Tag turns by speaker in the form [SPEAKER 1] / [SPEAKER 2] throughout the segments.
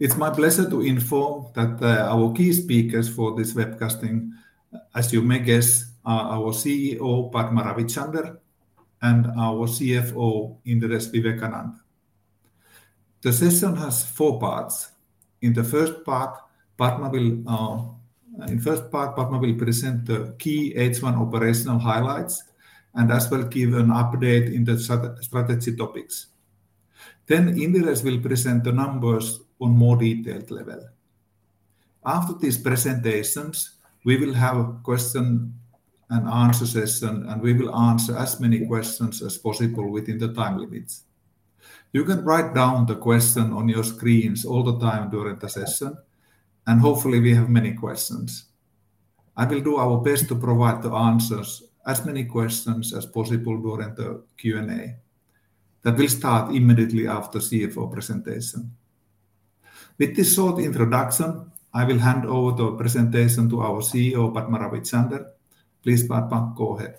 [SPEAKER 1] It's my pleasure to inform that our key speakers for this webcasting, as you may guess, are our CEO, Padma Ravichander, and our CFO, Indiresh Vivekananda. The session has four parts. In the first part, Padma will in first part, Padma will present the key H1 operational highlights and as well give an update in the strategy topics. Indiresh will present the numbers on more detailed level. After these presentations, we will have a question and answer session, and we will answer as many questions as possible within the time limits. You can write down the question on your screens all the time during the session, and hopefully we have many questions. I will do our best to provide the answers, as many questions as possible during the Q&A. That will start immediately after CFO presentation. With this short introduction, I will hand over the presentation to our CEO, Padma Ravichander. Please, Padma, go ahead.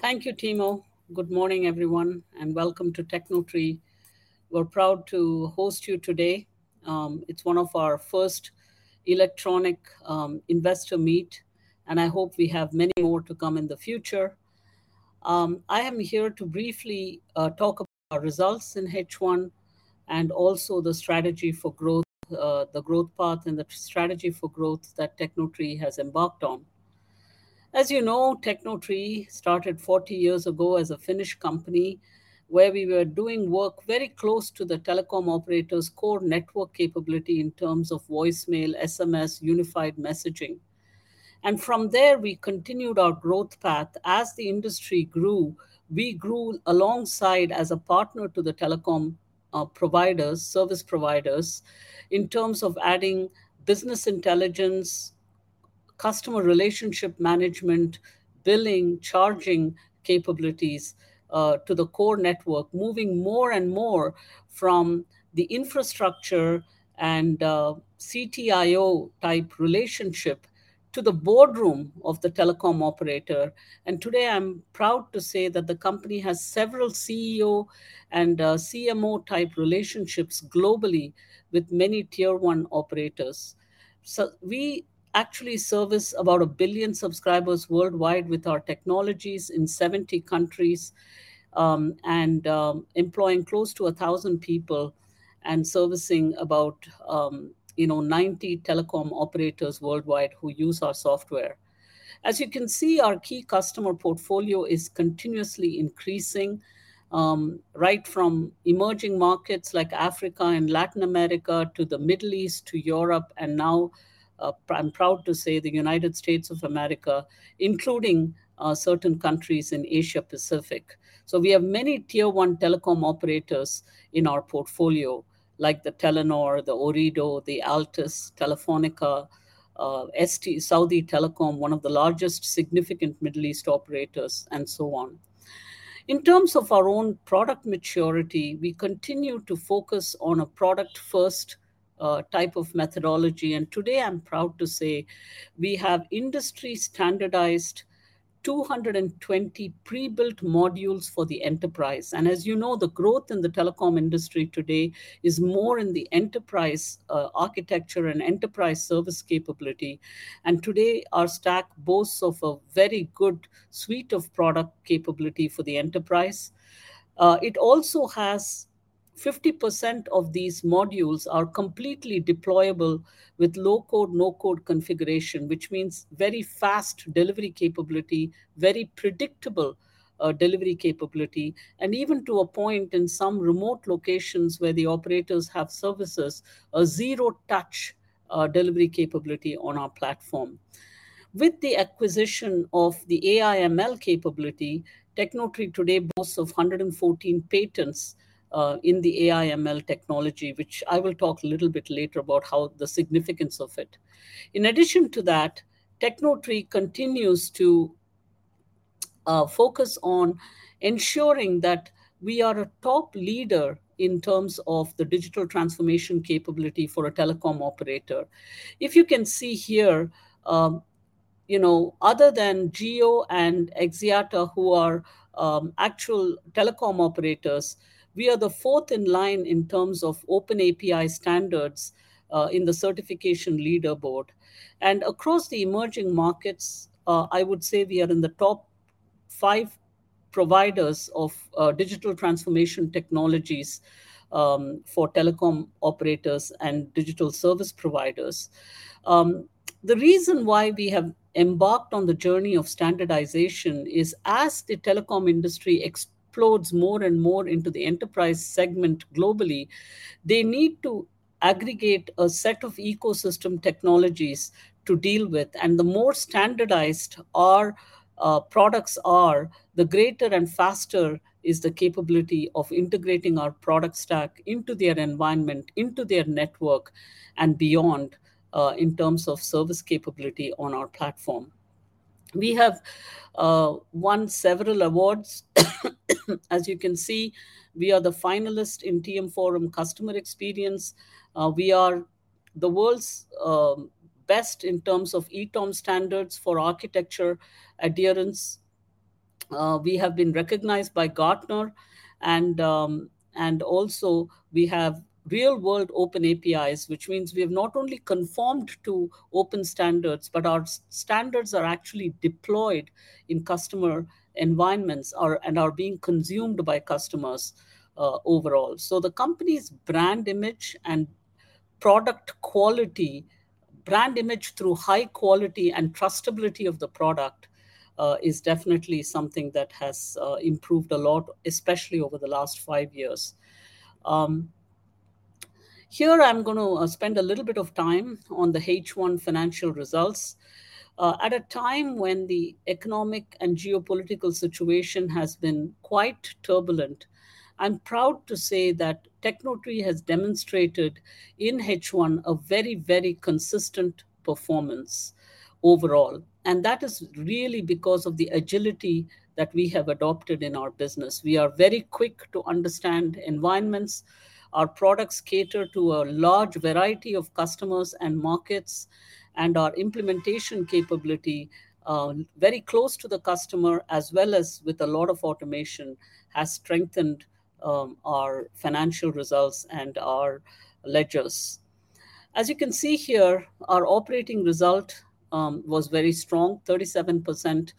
[SPEAKER 2] Thank you, Timo. Good morning, everyone, and welcome to Tecnotree. We're proud to host you today. It's one of our first electronic investor meet, and I hope we have many more to come in the future. I am here to briefly talk about our results in H1 and also the strategy for growth, the growth path and the strategy for growth that Tecnotree has embarked on. As you know, Tecnotree started 40 years ago as a Finnish company, where we were doing work very close to the telecom operators' core network capability in terms of voicemail, SMS, unified messaging. From there, we continued our growth path. As the industry grew, we grew alongside as a partner to the telecom providers, service providers, in terms of adding business intelligence, customer relationship management, billing, charging capabilities to the core network, moving more and more from the infrastructure and CTIO-type relationship to the boardroom of the telecom operator. Today, I'm proud to say that the company has several CEO and CMO-type relationships globally with many Tier 1 operators. We actually service about a billion subscribers worldwide with our technologies in 70 countries, and employing close to 1,000 people and servicing about, you know, 90 telecom operators worldwide who use our software. As you can see, our key customer portfolio is continuously increasing, right from emerging markets like Africa and Latin America to the Middle East, to Europe, and now, I'm proud to say, the United States of America, including certain countries in Asia Pacific. We have many Tier 1 telecom operators in our portfolio, like the Telenor, the Ooredoo, the Altice, Telefonica, STC, Saudi Telecom, one of the largest significant Middle East operators, and so on. In terms of our own product maturity, we continue to focus on a product-first type of methodology, and today I'm proud to say we have industry-standardized 220 pre-built modules for the enterprise. As you know, the growth in the telecom industry today is more in the enterprise architecture and enterprise service capability, and today, our stack boasts of a very good suite of product capability for the enterprise. It also has—50% of these modules are completely deployable with low-code, no-code configuration, which means very fast delivery capability, very predictable delivery capability, and even to a point in some remote locations where the operators have services, a zero-touch delivery capability on our platform. With the acquisition of the AI/ML capability, Tecnotree today boasts of 114 patents in the AI/ML technology, which I will talk a little bit later about how the significance of it. In addition to that, Tecnotree continues to focus on ensuring that we are a top leader in terms of the digital transformation capability for a telecom operator. If you can see here, you know, other than Jio and Axiata, who are actual telecom operators, we are the fourth in line in terms of OpenAPI standards in the certification leaderboard. Across the emerging markets, I would say we are in the top five providers of digital transformation technologies for telecom operators and digital service providers. The reason why we have embarked on the journey of standardization is as the telecom industry explodes more and more into the enterprise segment globally, they need to aggregate a set of ecosystem technologies to deal with. The more standardized our products are, the greater and faster is the capability of integrating our product stack into their environment, into their network, and beyond in terms of service capability on our platform. We have won several awards. As you can see, we are the finalist in TM Forum Customer Experience. We are the world's best in terms of eTOM standards for architecture adherence. We have been recognized by Gartner, and also we have real-world Open APIs, which means we have not only conformed to open standards, but our standards are actually deployed in customer environments and are being consumed by customers overall. The company's brand image and product quality, brand image through high quality and trustability of the product, is definitely something that has improved a lot, especially over the last five years. Here I'm going to spend a little bit of time on the H1 financial results. At a time when the economic and geopolitical situation has been quite turbulent, I'm proud to say that Tecnotree has demonstrated in H1 a very, very consistent performance overall. That is really because of the agility that we have adopted in our business. We are very quick to understand environments. Our products cater to a large variety of customers and markets, and our implementation capability, very close to the customer, as well as with a lot of automation, has strengthened our financial results and our ledgers. As you can see here, our operating result was very strong, 37%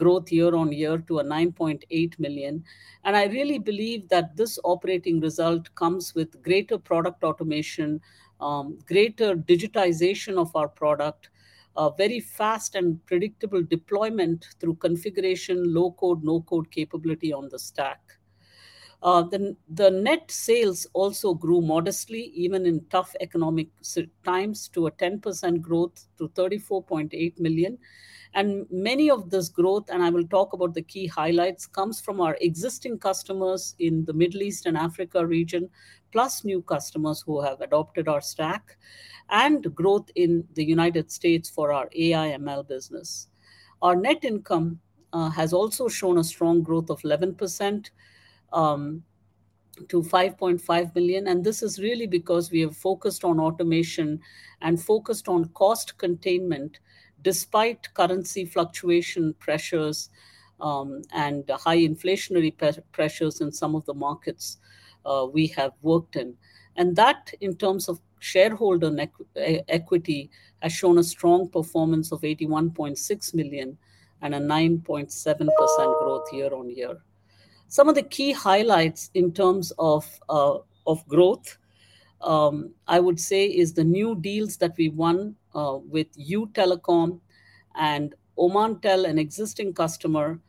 [SPEAKER 2] growth year-on-year to a 9.8 million. I really believe that this operating result comes with greater product automation, greater digitization of our product, a very fast and predictable deployment through configuration, low-code, no-code capability on the stack. The net sales also grew modestly, even in tough economic times, to a 10% growth to 34.8 million. Many of this growth, and I will talk about the key highlights, comes from our existing customers in the Middle East and Africa region, plus new customers who have adopted our stack, and growth in the United States for our AI/ML business. Our net income has also shown a strong growth of 11% to 5.5 million, and this is really because we have focused on automation and focused on cost containment despite currency fluctuation pressures and high inflationary pressures in some of the markets we have worked in. That, in terms of shareholder equity, has shown a strong performance of 81.6 million and a 9.7% growth year-on-year. Some of the key highlights in terms of growth, I would say, is the new deals that we won with du Telecom and Omantel, an existing customer.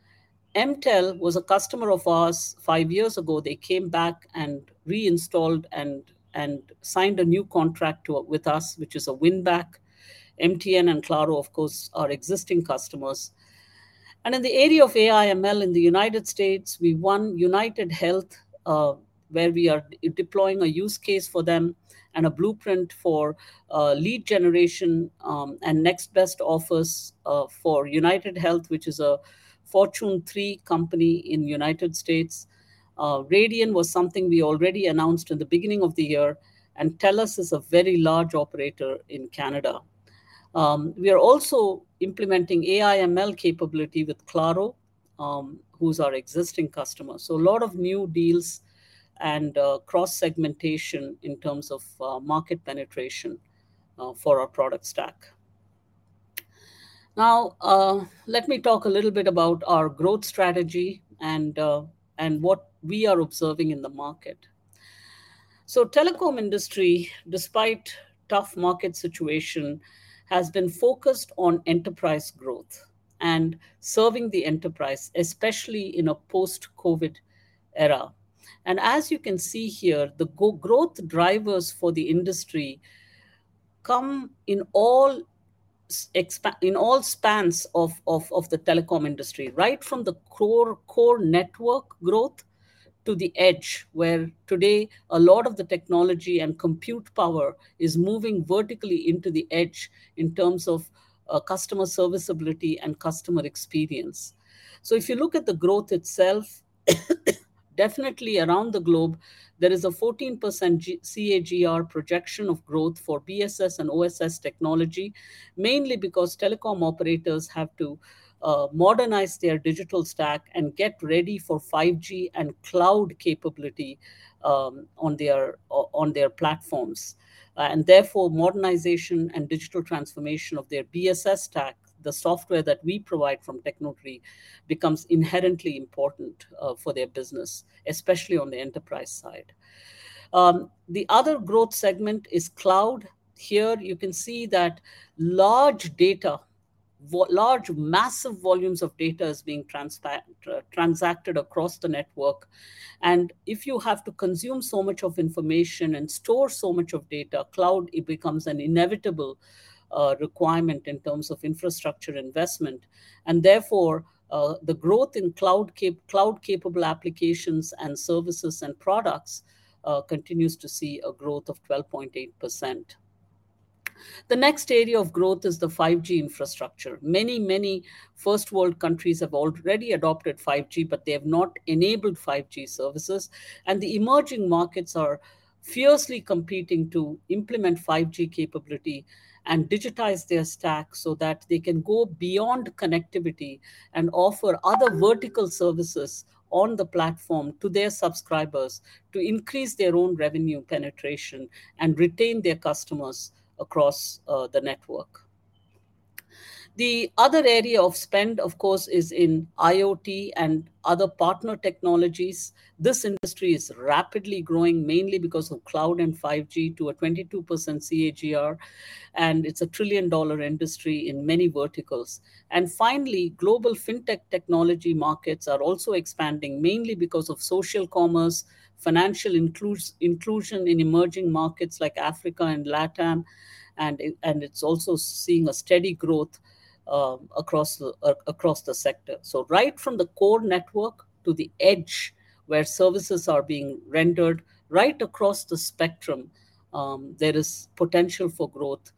[SPEAKER 2] MTEL was a customer of ours five years ago. They came back and reinstalled and signed a new contract to... with us, which is a win-back. MTN and Claro, of course, are existing customers. In the area of AI/ML in the United States, we won UnitedHealth, where we are deploying a use case for them and a blueprint for lead generation, and next best offers for UnitedHealth, which is a Fortune 3 company in the United States. Radian was something we already announced in the beginning of the year, and TELUS is a very large operator in Canada. We are also implementing AI/ML capability with Claro, who's our existing customer. A lot of new deals and cross-segmentation in terms of market penetration for our product stack. Now, let me talk a little bit about our growth strategy and what we are observing in the market. Telecom industry, despite tough market situation, has been focused on enterprise growth and serving the enterprise, especially in a post-COVID era. As you can see here, the growth drivers for the industry come in all spans of the telecom industry, right from the core, core network growth to the edge, where today a lot of the technology and compute power is moving vertically into the edge in terms of customer serviceability and customer experience. If you look at the growth itself, definitely around the globe, there is a 14% CAGR projection of growth for BSS and OSS technology, mainly because telecom operators have to modernize their digital stack and get ready for 5G and cloud capability on their platforms. Therefore, modernization and digital transformation of their BSS stack, the software that we provide from Tecnotree, becomes inherently important for their business, especially on the enterprise side. The other growth segment is cloud. Here, you can see that large data, large, massive volumes of data is being transacted across the network. If you have to consume so much of information and store so much of data, cloud, it becomes an inevitable requirement in terms of infrastructure investment. Therefore, the growth in cloud-capable applications and services and products continues to see a growth of 12.8%. The next area of growth is the 5G infrastructure. Many, many first world countries have already adopted 5G, but they have not enabled 5G services. The emerging markets are fiercely competing to implement 5G capability and digitize their stack so that they can go beyond connectivity and offer other vertical services on the platform to their subscribers to increase their own revenue penetration and retain their customers across the network. The other area of spend, of course, is in IoT and other partner technologies. This industry is rapidly growing, mainly because of cloud and 5G, to a 22% CAGR, and it's a $1 trillion industry in many verticals. Finally, global Fintech technology markets are also expanding, mainly because of social commerce, financial inclusion in emerging markets like Africa and LatAm, and it, and it's also seeing a steady growth across the sector. Right from the core network to the EDGE, where services are being rendered, right across the spectrum, there is potential for growth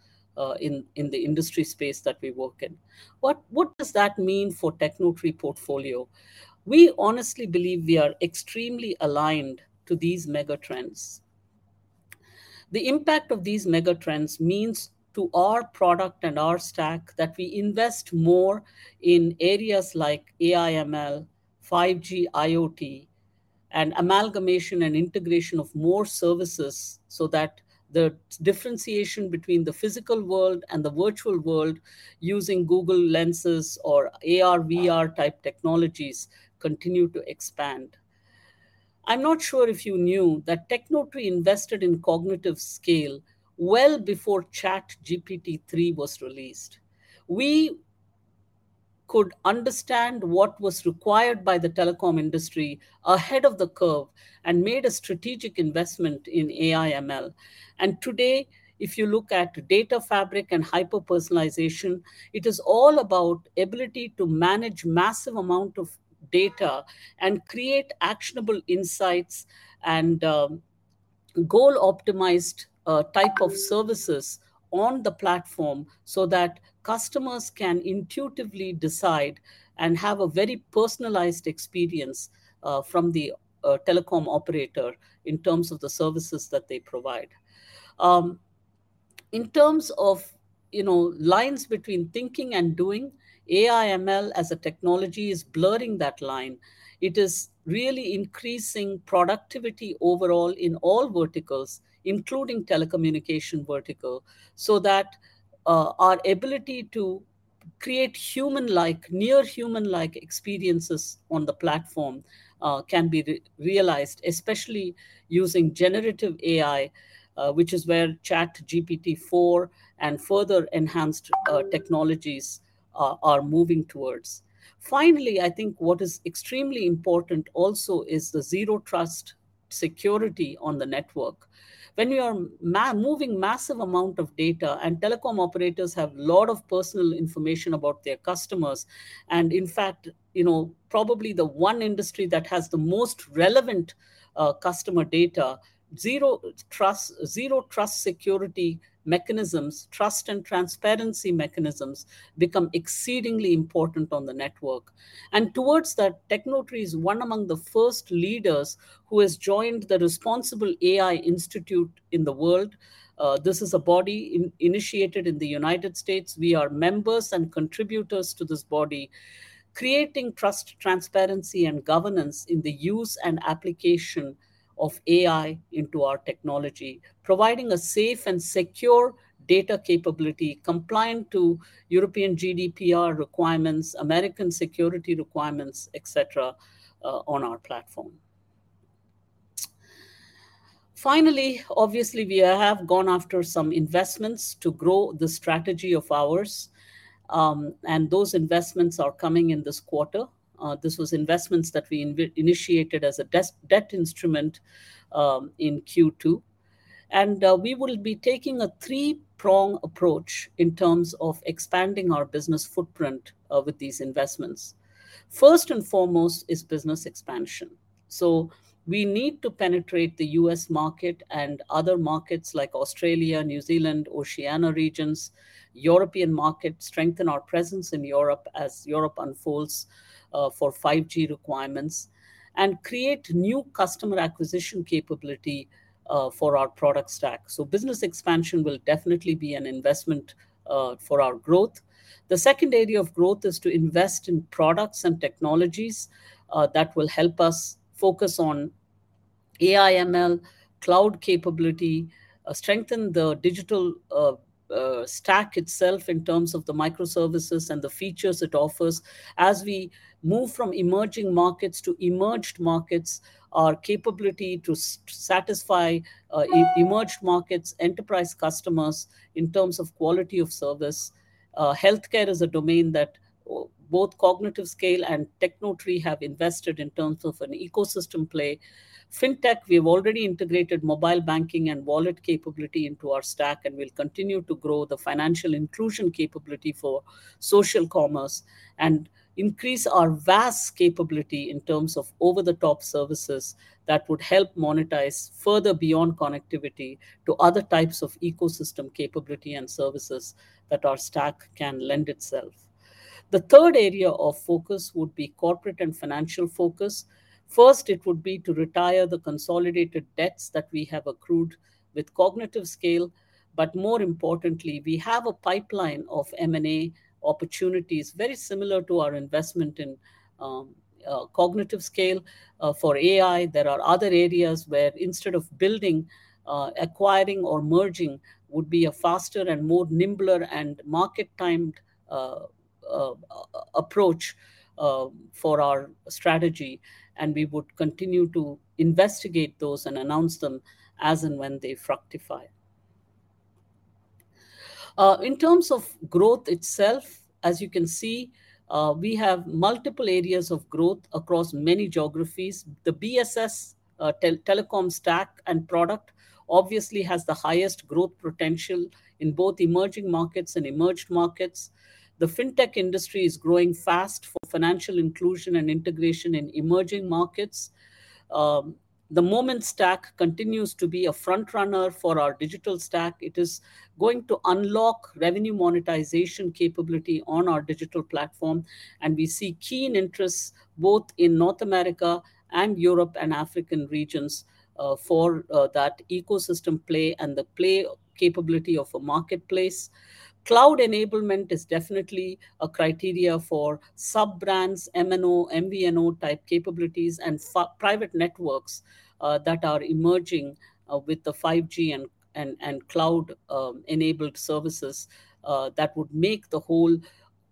[SPEAKER 2] in the industry space that we work in. What does that mean for Tecnotree portfolio? We honestly believe we are extremely aligned to these mega trends. The impact of these mega trends means to our product and our stack that we invest more in areas like AI/ML, 5G, IoT, and amalgamation and integration of more services, so that the differentiation between the physical world and the virtual world using Google Lenses or AR/VR-type technologies continue to expand. I'm not sure if you knew that Tecnotree invested in CognitiveScale well before GPT-3 was released. We could understand what was required by the telecom industry ahead of the curve and made a strategic investment in AI/ML. Today, if you look at data fabric and hyper-personalization, it is all about ability to manage massive amount of data and create actionable insights and goal-optimized type of services on the platform so that customers can intuitively decide and have a very personalized experience from the telecom operator in terms of the services that they provide. In terms of, you know, lines between thinking and doing, AI/ML as a technology is blurring that line. It is really increasing productivity overall in all verticals, including telecommunication vertical, so that our ability to create human-like, near human-like experiences on the platform, can be realized, especially using generative AI, which is where ChatGPT-4 and further enhanced technologies are moving towards. Finally, I think what is extremely important also is the zero-trust security on the network. When you are moving massive amount of data, and telecom operators have a lot of personal information about their customers, and in fact, you know, probably the one industry that has the most relevant customer data, zero trust, zero-trust security mechanisms, trust and transparency mechanisms become exceedingly important on the network. Towards that, Tecnotree is one among the first leaders who has joined the Responsible AI Institute in the world. This is a body initiated in the United States. We are members and contributors to this body, creating trust, transparency, and governance in the use and application of AI into our technology, providing a safe and secure data capability compliant to European GDPR requirements, American security requirements, et cetera, on our platform. Finally, obviously, we have gone after some investments to grow the strategy of ours, and those investments are coming in this quarter. This was investments that we initiated as a debt instrument, in Q2. We will be taking a three-prong approach in terms of expanding our business footprint, with these investments. First and foremost is business expansion. We need to penetrate the U.S. market and other markets like Australia, New Zealand, Oceania regions, European market, strengthen our presence in Europe as Europe unfolds for 5G requirements, and create new customer acquisition capability for our product stack. Business expansion will definitely be an investment for our growth. The second area of growth is to invest in products and technologies that will help us focus on AI/ML, cloud capability, strengthen the digital stack itself in terms of the microservices and the features it offers. As we move from emerging markets to emerged markets, our capability to satisfy emerged markets, enterprise customers in terms of quality of service. Healthcare is a domain that both CognitiveScale and Tecnotree have invested in terms of an ecosystem play. Fintech, we've already integrated mobile banking and wallet capability into our stack and will continue to grow the financial inclusion capability for social commerce and increase our vast capability in terms of over-the-top services that would help monetize further beyond connectivity to other types of ecosystem capability and services that our stack can lend itself. The third area of focus would be corporate and financial focus. First, it would be to retire the consolidated debts that we have accrued with CognitiveScale, but more importantly, we have a pipeline of M&A opportunities, very similar to our investment in CognitiveScale for AI. There are other areas where instead of building, acquiring or merging would be a faster and more nimbler and market-timed approach for our strategy, and we would continue to investigate those and announce them as and when they fructify. In terms of growth itself, as you can see, we have multiple areas of growth across many geographies. The BSS, telecom stack and product obviously has the highest growth potential in both emerging markets and emerged markets. The Fintech industry is growing fast for financial inclusion and integration in emerging markets. The Moments stack continues to be a front runner for our digital stack. It is going to unlock revenue monetization capability on our digital platform. We see keen interest both in North America and Europe and African regions for that ecosystem play and the play capability of a marketplace. Cloud enablement is definitely a criteria for sub-brands, MNO, MVNO-type capabilities, and private networks that are emerging with the 5G and cloud enabled services that would make the whole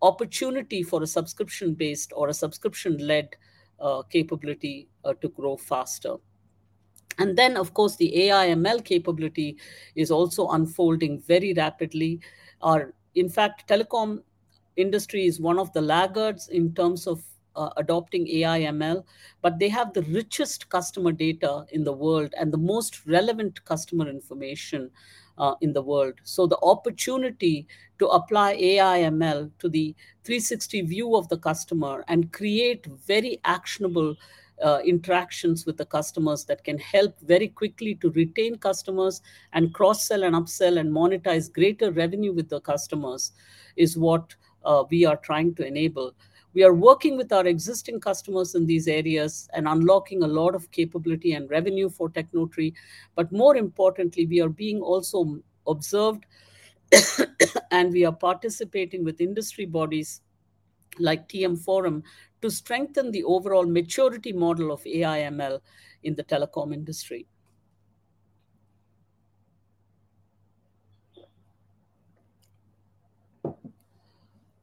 [SPEAKER 2] opportunity for a subscription-based or a subscription-led capability to grow faster. Of course, the AI/ML capability is also unfolding very rapidly. In fact, telecom industry is one of the laggards in terms of adopting AI/ML, but they have the richest customer data in the world and the most relevant customer information in the world. The opportunity to apply AI/ML to the 360 view of the customer and create very actionable interactions with the customers that can help very quickly to retain customers and cross-sell and upsell and monetize greater revenue with the customers, is what we are trying to enable. We are working with our existing customers in these areas and unlocking a lot of capability and revenue for Tecnotree. But more importantly, we are being also observed, and we are participating with industry bodies like TM Forum to strengthen the overall maturity model of AI/ML in the telecom industry.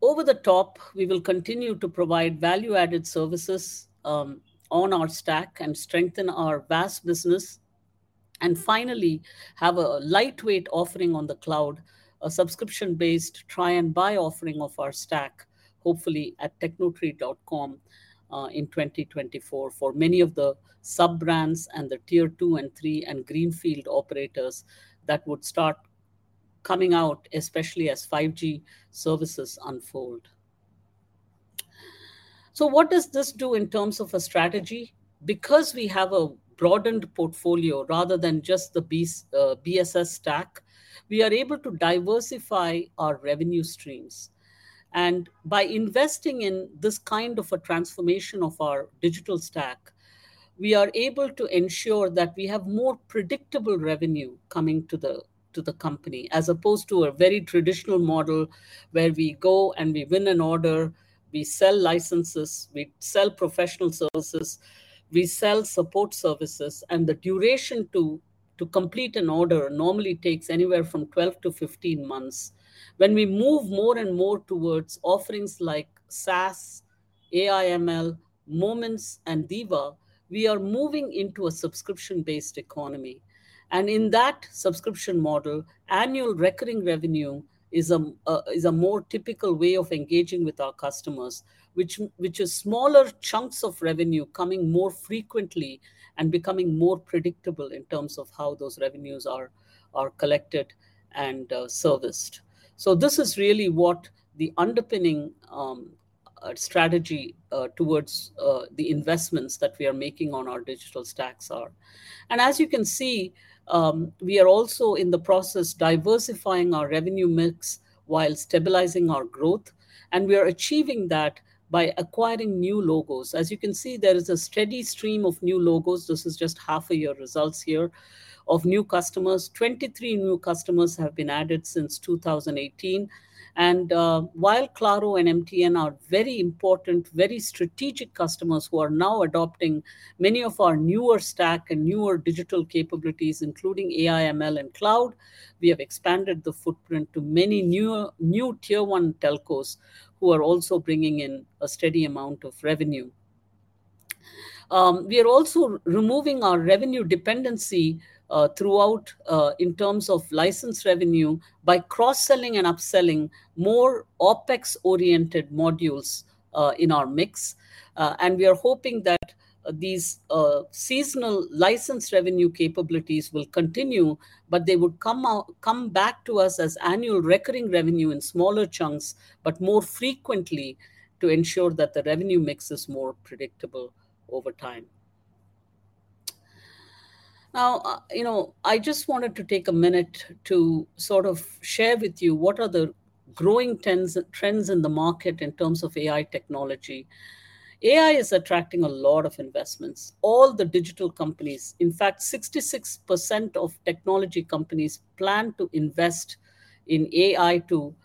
[SPEAKER 2] Over the top, we will continue to provide value-added services on our stack and strengthen our VAS business. Finally, have a lightweight offering on the cloud, a subscription-based try and buy offering of our stack, hopefully at tecnotree.com, in 2024, for many of the sub-brands and the Tier 2 and 3 and greenfield operators that would start coming out, especially as 5G services unfold. What does this do in terms of a strategy? Because we have a broadened portfolio rather than just the BSS stack, we are able to diversify our revenue streams, and by investing in this kind of a transformation of our digital stack, we are able to ensure that we have more predictable revenue coming to the company, as opposed to a very traditional model where we go and we win an order, we sell licenses, we sell professional services, we sell support services. The duration to complete an order normally takes anywhere from 12 to 15 months. When we move more and more towards offerings like SaaS, AI/ML, Moments, and DiWA, we are moving into a subscription-based economy. In that subscription model, annual recurring revenue is a more typical way of engaging with our customers, which, which is smaller chunks of revenue coming more frequently and becoming more predictable in terms of how those revenues are, are collected and serviced. This is really what the underpinning strategy towards the investments that we are making on our digital stacks are. As you can see, we are also in the process diversifying our revenue mix while stabilizing our growth, and we are achieving that by acquiring new logos. As you can see, there is a steady stream of new logos, this is just half a year results here, of new customers. 23 new customers have been added since 2018. While Claro and MTN are very important, very strategic customers who are now adopting many of our newer stack and newer digital capabilities, including AI/ML and cloud, we have expanded the footprint to many new Tier 1 telcos, who are also bringing in a steady amount of revenue. We are also removing our revenue dependency throughout in terms of licensed revenue by cross-selling and upselling more OpEx-oriented modules in our mix. We are hoping that these seasonal license revenue capabilities will continue, but they would come back to us as annual recurring revenue in smaller chunks, but more frequently, to ensure that the revenue mix is more predictable over time. You know, I just wanted to take a minute to sort of share with you what are the growing trends in the market in terms of AI technology. AI is attracting a lot of investments. All the digital companies, in fact, 66% of technology companies plan to invest in AI to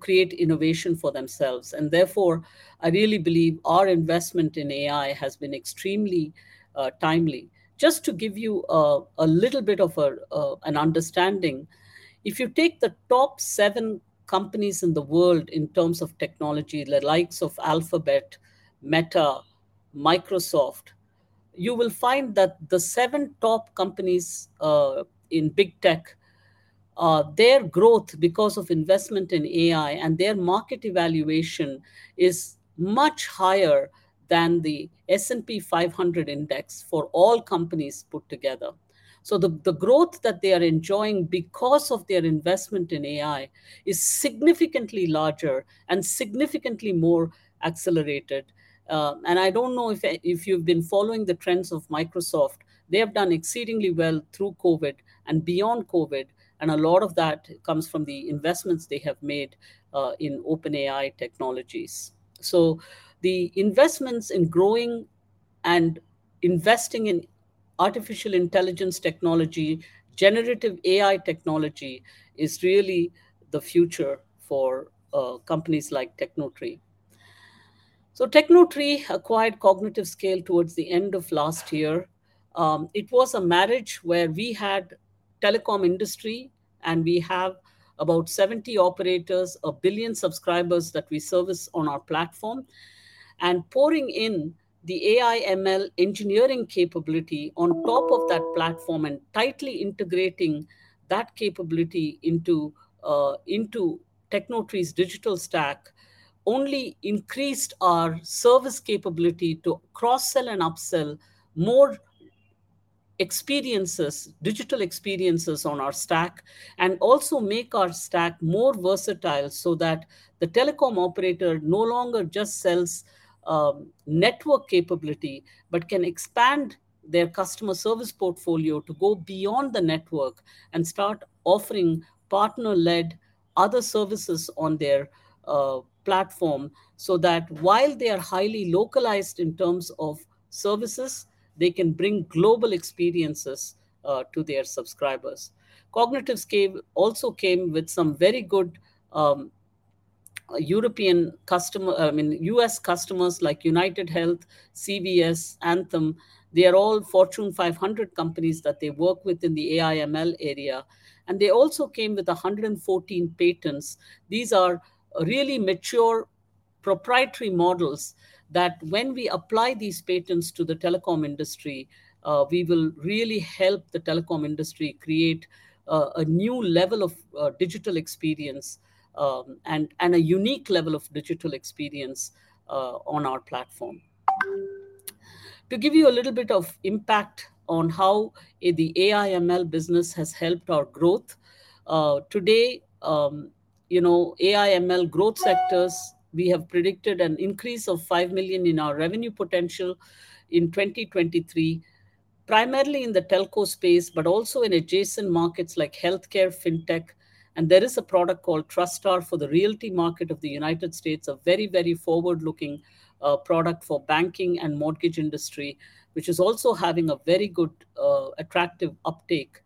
[SPEAKER 2] create innovation for themselves. Therefore, I really believe our investment in AI has been extremely timely. Just to give you a little bit of an understanding, if you take the top seven companies in the world in terms of technology, the likes of Alphabet, Meta, Microsoft, you will find that the seven top companies in big tech, their growth because of investment in AI and their market evaluation is much higher than the S&P 500 index for all companies put together. The growth that they are enjoying because of their investment in AI is significantly larger and significantly more accelerated. And I don't know if, if you've been following the trends of Microsoft, they have done exceedingly well through COVID and beyond COVID, and a lot of that comes from the investments they have made in OpenAI technologies. The investments in growing and investing in artificial intelligence technology, generative AI technology, is really the future for companies like Tecnotree. Tecnotree acquired CognitiveScale towards the end of last year. It was a marriage where we had telecom industry, and we have about 70 operators, a billion subscribers that we service on our platform. Pouring in the AI ML engineering capability on top of that platform and tightly integrating that capability into Tecnotree's digital stack, only increased our service capability to cross-sell and upsell more experiences, digital experiences on our stack. Also make our stack more versatile so that the telecom operator no longer just sells network capability, but can expand their customer service portfolio to go beyond the network and start offering partner-led other services on their platform. That while they are highly localized in terms of services, they can bring global experiences to their subscribers. CognitiveScale also came with some very good European customer—I mean, U.S. customers like UnitedHealth, CVS, Anthem, they are all Fortune 500 companies that they work with in the AI ML area, they also came with 114 patents. These are really mature, proprietary models that when we apply these patents to the telecom industry, we will really help the telecom industry create a new level of digital experience and a unique level of digital experience on our platform. To give you a little bit of impact on how the AI/ML business has helped our growth today, you know, AI/ML growth sectors, we have predicted an increase of 5 million in our revenue potential in 2023, primarily in the telco space, but also in adjacent markets like healthcare, Fintech. There is a product called TrustStar for the realty market of the United States, a very, very forward-looking product for banking and mortgage industry, which is also having a very good attractive uptake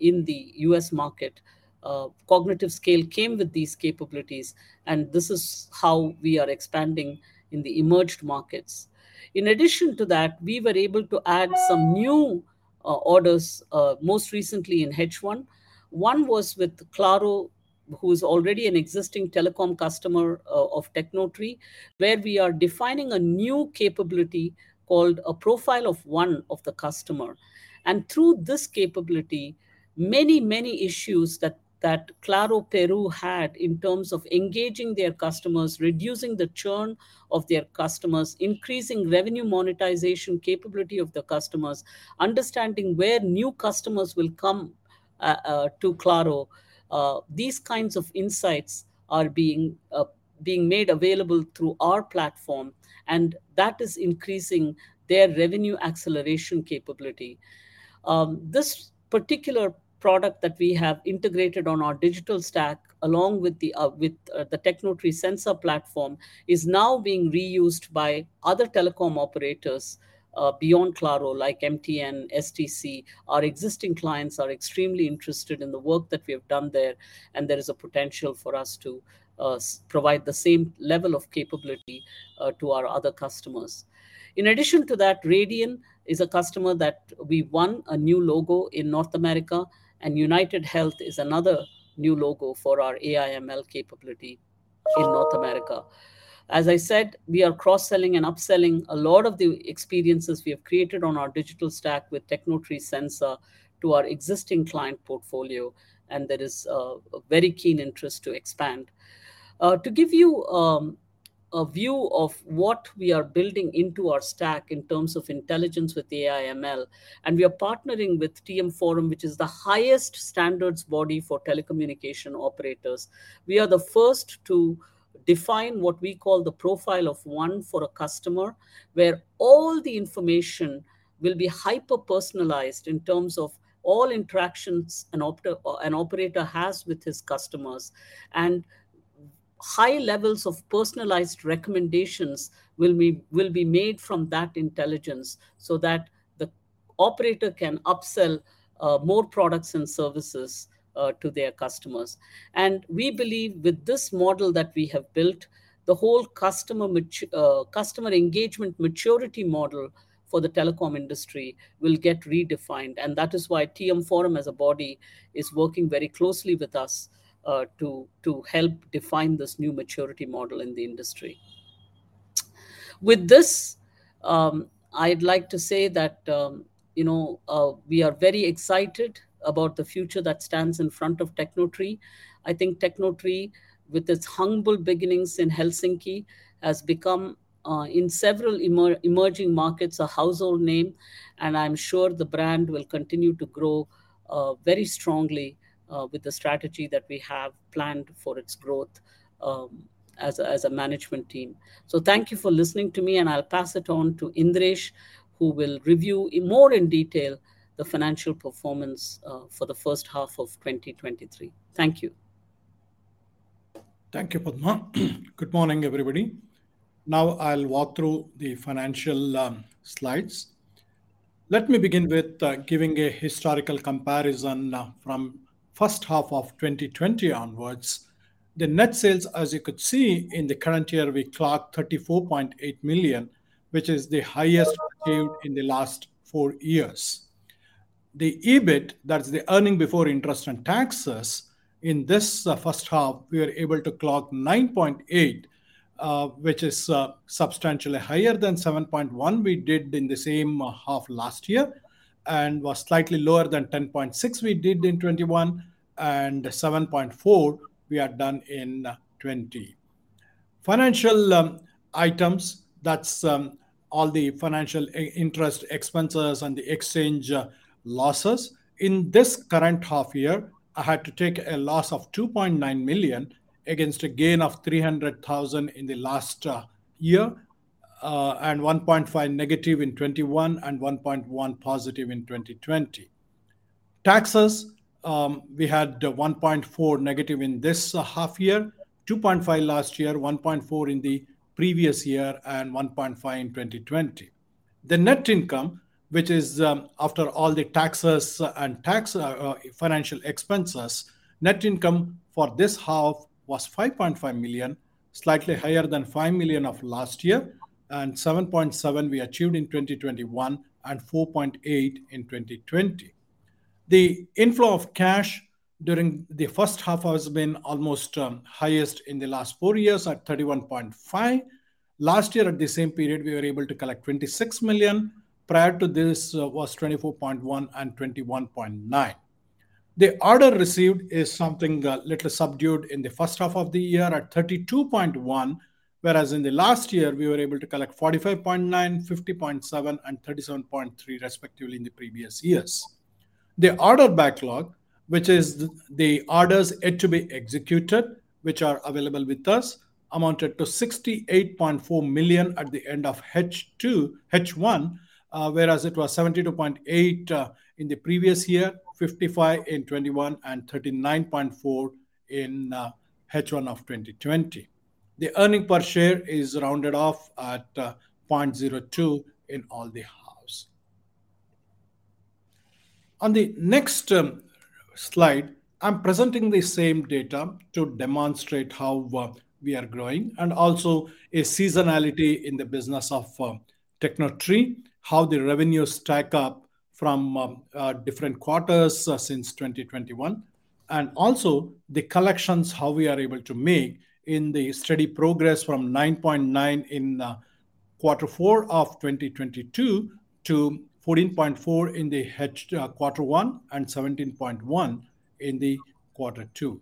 [SPEAKER 2] in the U.S. market. CognitiveScale came with these capabilities, and this is how we are expanding in the emerged markets. In addition to that, we were able to add some new orders most recently in H1. One was with Claro, who is already an existing telecom customer of Tecnotree, where we are defining a new capability called a profile of one of the customer. Through this capability, many, many issues that Claro Peru had in terms of engaging their customers, reducing the churn of their customers, increasing revenue monetization capability of the customers, understanding where new customers will come to Claro, these kinds of insights are being made available through our platform, and that is increasing their revenue acceleration capability. This particular product that we have integrated on our digital stack, along with the Tecnotree Sensa platform, is now being reused by other telecom operators, beyond Claro, like MTN, STC. Our existing clients are extremely interested in the work that we have done there, and there is a potential for us to s- provide the same level of capability to our other customers. In addition to that, Radian is a customer that we won a new logo in North America, and UnitedHealth is another new logo for our AI/ML capability in North America. As I said, we are cross-selling and upselling a lot of the experiences we have created on our digital stack with Tecnotree Sensa to our existing client portfolio, and there is a very keen interest to expand. To give you a view of what we are building into our stack in terms of intelligence with AI/ML, we are partnering with TM Forum, which is the highest standards body for telecommunication operators. We are the first to define what we call the profile of one for a customer, where all the information will be hyper-personalized in terms of all interactions an operator has with his customers. High levels of personalized recommendations will be made from that intelligence, so that the operator can upsell more products and services to their customers. We believe with this model that we have built, the whole customer engagement maturity model for the telecom industry will get redefined, and that is why TM Forum as a body is working very closely with us, to help define this new maturity model in the industry. With this, I'd like to say that, you know, we are very excited about the future that stands in front of Tecnotree. I think Tecnotree, with its humble beginnings in Helsinki, has become in several emerging markets, a household name, and I'm sure the brand will continue to grow very strongly with the strategy that we have planned for its growth as a management team. Thank you for listening to me, and I'll pass it on to Indiresh, who will review in more in detail the financial performance for the first half of 2023. Thank you.
[SPEAKER 3] Thank you, Padma. Good morning, everybody. Now I'll walk through the financial slides. Let me begin with giving a historical comparison from first half of 2020 onwards. The net sales, as you could see in the current year, we clocked 34.8 million, which is the highest achieved in the last four years. The EBIT, that is the earning before interest and taxes, in this first half, we were able to clock 9.8 million, which is substantially higher than 7.1 million we did in the same half last year, and was slightly lower than 10.6 million we did in 2021, and 7.4 million we had done in 2020. Financial items, that's all the financial interest expenses and the exchange losses. In this current half year, I had to take a loss of 2.9 million against a gain of 300,000 in the last year, and -1.5 million in 2021, and 1.1 million positive in 2020. Taxes, we had -1.4 million in this half year, 2.5 million last year, 1.4 million in the previous year, and 1.5 million in 2020. The net income, which is after all the taxes and tax financial expenses, net income for this half was 5.5 million, slightly higher than 5 million of last year, and 7.7 million we achieved in 2021, and 4.8 million in 2020. The inflow of cash during the first half has been almost highest in the last four years at 31.5 million. Last year, at the same period, we were able to collect 26 million. Prior to this, was 24.1 million and 21.9 million. The order received is something little subdued in the first half of the year at 32.1 million, whereas in the last year, we were able to collect 45.9 million, 50.7 million, and 37.3 million respectively in the previous years. The order backlog, which is the orders yet to be executed, which are available with us, amounted to 68.4 million at the end of H1, whereas it was 72.8 million in the previous year, 55 million in 2021, and 39.4 million in H1 of 2020. The earning per share is rounded off at 0.02 in all the halves. On the next slide, I'm presenting the same data to demonstrate how we are growing and also a seasonality in the business of Tecnotree, how the revenues stack up from different quarters since 2021, and also the collections, how we are able to make in the steady progress from 9.9 million in Q4 2022 to 14.4 million in Q1, and 17.1 million in Q2.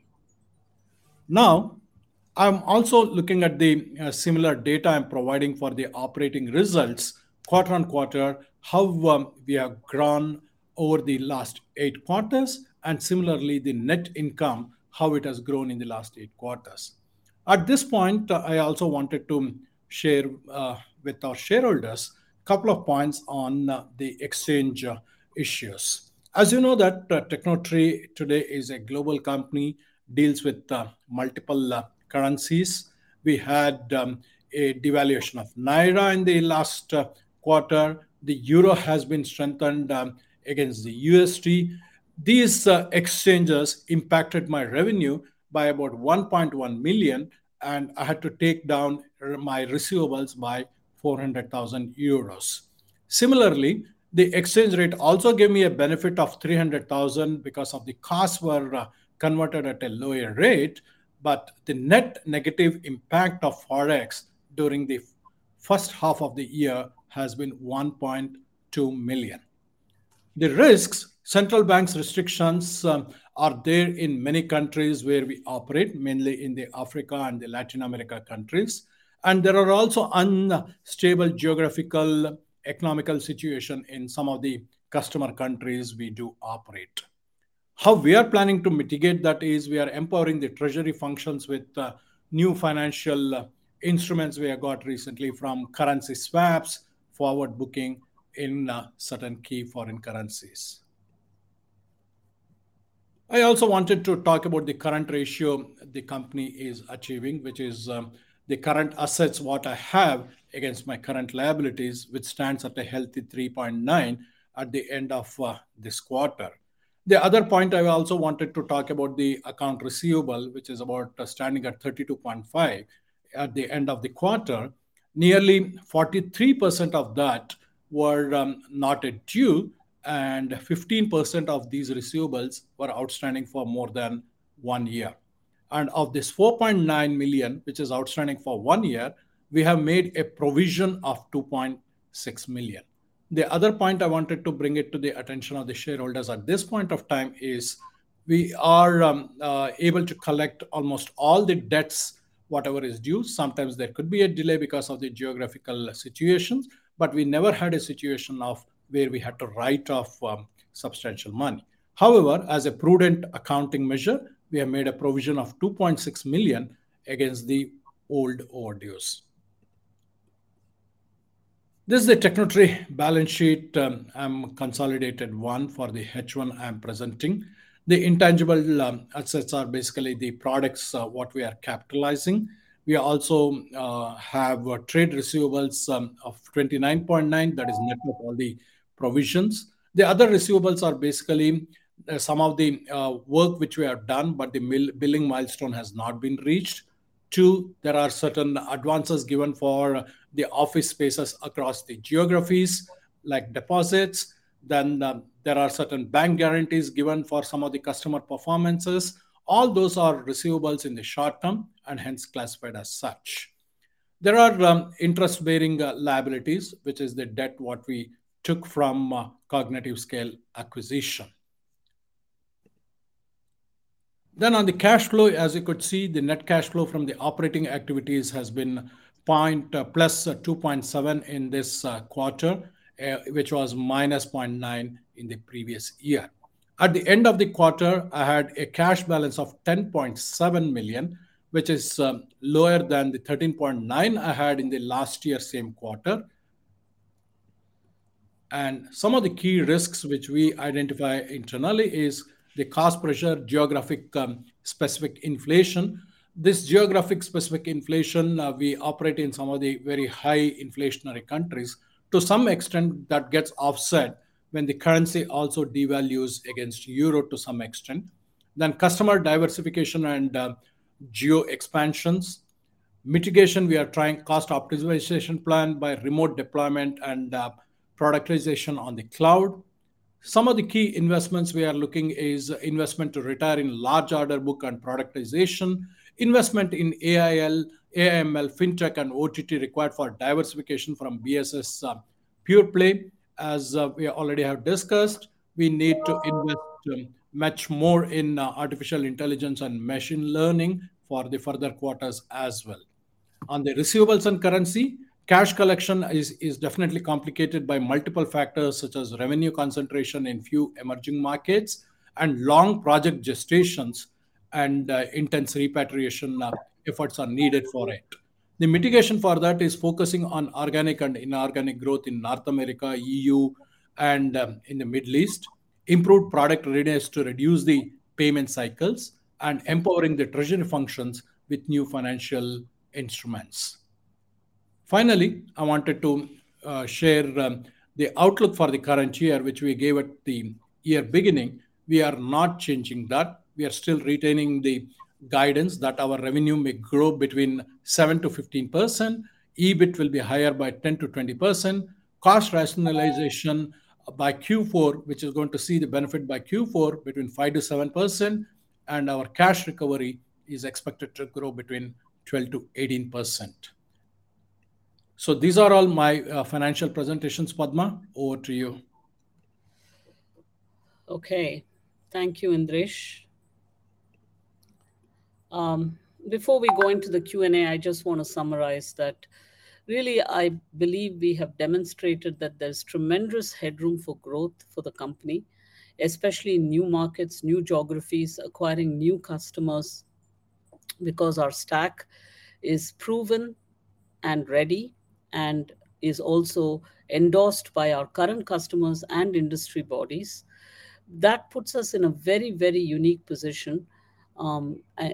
[SPEAKER 3] I'm also looking at the similar data I'm providing for the operating results quarter-on-quarter, how we have grown over the last eight quarters, and similarly, the net income, how it has grown in the last eight quarters. At this point, I also wanted to share with our shareholders, couple of points on the exchange issues. As you know that, Tecnotree today is a global company, deals with multiple currencies. We had a devaluation of Naira in the last quarter. The Euro has been strengthened against the USD. These exchangers impacted my revenue by about 1.1 million, and I had to take down my receivables by 400,000 euros. Similarly, the exchange rate also gave me a benefit of 300,000 because of the costs were converted at a lower rate, but the net negative impact of Forex during the first half of the year has been 1.2 million. The risks, central banks restrictions, are there in many countries where we operate, mainly in the Africa and the Latin America countries, and there are also unstable geographical economical situation in some of the customer countries we do operate. How we are planning to mitigate that is we are empowering the treasury functions with new financial instruments we have got recently from currency swaps, forward booking in certain key foreign currencies. I also wanted to talk about the current ratio the company is achieving, which is the current assets, what I have against my current liabilities, which stands at a healthy 3.9 at the end of this quarter. The other point I also wanted to talk about the account receivable, which is about standing at 32.5 million at the end of the quarter. Nearly 43% of that were not due, and 15% of these receivables were outstanding for more than one year. Of this 4.9 million, which is outstanding for one year, we have made a provision of 2.6 million. The other point I wanted to bring it to the attention of the shareholders at this point of time is we are able to collect almost all the debts, whatever is due. Sometimes there could be a delay because of the geographical situations, but we never had a situation of where we had to write off substantial money. However, as a prudent accounting measure, we have made a provision of 2.6 million against the old overdues. This is the Tecnotree balance sheet consolidated one for the H1 I'm presenting. The intangible assets are basically the products what we are capitalizing. We also have trade receivables of 29.9 million, that is net of all the provisions. The other receivables are basically some of the work which we have done, but the billing milestone has not been reached. Two, there are certain advances given for the office spaces across the geographies, like deposits. There are certain bank guarantees given for some of the customer performances. All those are receivables in the short term and hence classified as such. There are interest-bearing liabilities, which is the debt what we took from CognitiveScale acquisition. On the cash flow, as you could see, the net cash flow from the operating activities has been +2.7 million in this quarter, which was -900,000 in the previous year. At the end of the quarter, I had a cash balance of 10.7 million, which is lower than the 13.9 million I had in the last year same quarter. Some of the key risks which we identify internally is the cost pressure, geographic specific inflation. This geographic specific inflation, we operate in some of the very high inflationary countries. To some extent, that gets offset when the currency also devalues against euro to some extent. Customer diversification and geo expansions. Mitigation, we are trying cost optimization plan by remote deployment and productization on the cloud. Some of the key investments we are looking is investment to retire in large order book and productization, investment in AI/ML, AML, Fintech, and OTT required for diversification from BSS pure play. As we already have discussed, we need to invest much more in artificial intelligence and machine learning for the further quarters as well. On the receivables and currency, cash collection is definitely complicated by multiple factors such as revenue concentration in few emerging markets and long project gestations and intense repatriation efforts are needed for it. The mitigation for that is focusing on organic and inorganic growth in North America, E.U., and in the Middle East, improved product readiness to reduce the payment cycles, and empowering the treasury functions with new financial instruments. Finally, I wanted to share the outlook for the current year, which we gave at the year beginning. We are not changing that. We are still retaining the guidance that our revenue may grow between 7%-15%. EBIT will be higher by 10%-20%. Cost rationalization by Q4, which is going to see the benefit by Q4 between 5%-7%, and our cash recovery is expected to grow between 12%-18%. These are all my financial presentations. Padma, over to you.
[SPEAKER 2] Okay. Thank you, Indiresh. Before we go into the Q&A, I just want to summarize that really, I believe we have demonstrated that there's tremendous headroom for growth for the company, especially in new markets, new geographies, acquiring new customers, because our stack is proven and ready and is also endorsed by our current customers and industry bodies. That puts us in a very, very unique position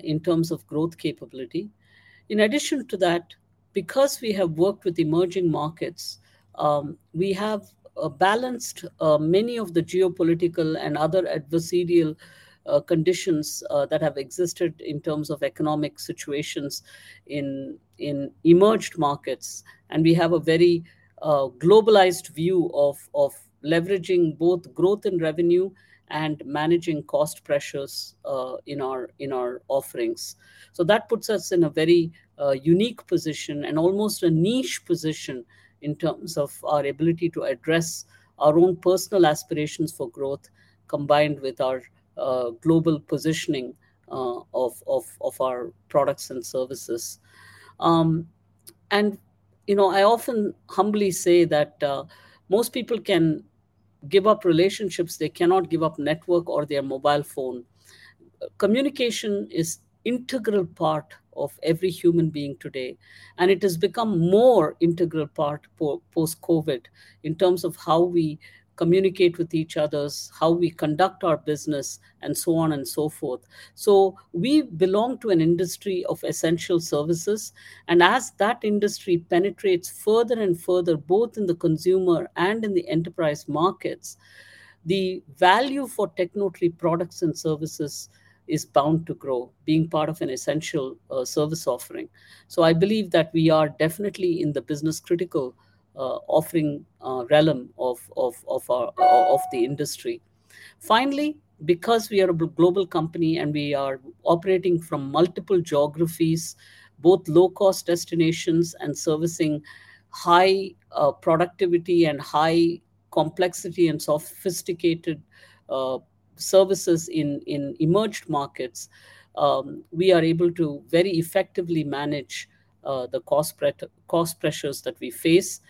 [SPEAKER 2] in terms of growth capability. In addition to that, because we have worked with emerging markets, we have balanced many of the geopolitical and other adversarial conditions that have existed in terms of economic situations in emerged markets. We have a very globalized view of leveraging both growth and revenue and managing cost pressures in our offerings. That puts us in a very unique position and almost a niche position in terms of our ability to address our own personal aspirations for growth, combined with our global positioning of our products and services. You know, I often humbly say that most people can give up relationships, they cannot give up network or their mobile phone. Communication is integral part of every human being today, and it has become more integral part post-COVID in terms of how we communicate with each others, how we conduct our business, and so on and so forth. We belong to an industry of essential services, and as that industry penetrates further and further, both in the consumer and in the enterprise markets, the value for Tecnotree products and services is bound to grow, being part of an essential service offering. I believe that we are definitely in the business critical offering realm of of of the industry. Finally, because we are a global company, and we are operating from multiple geographies, both low-cost destinations and servicing high productivity and high complexity and sophisticated services in in emerged markets, we are able to very effectively manage the cost pressures that we face.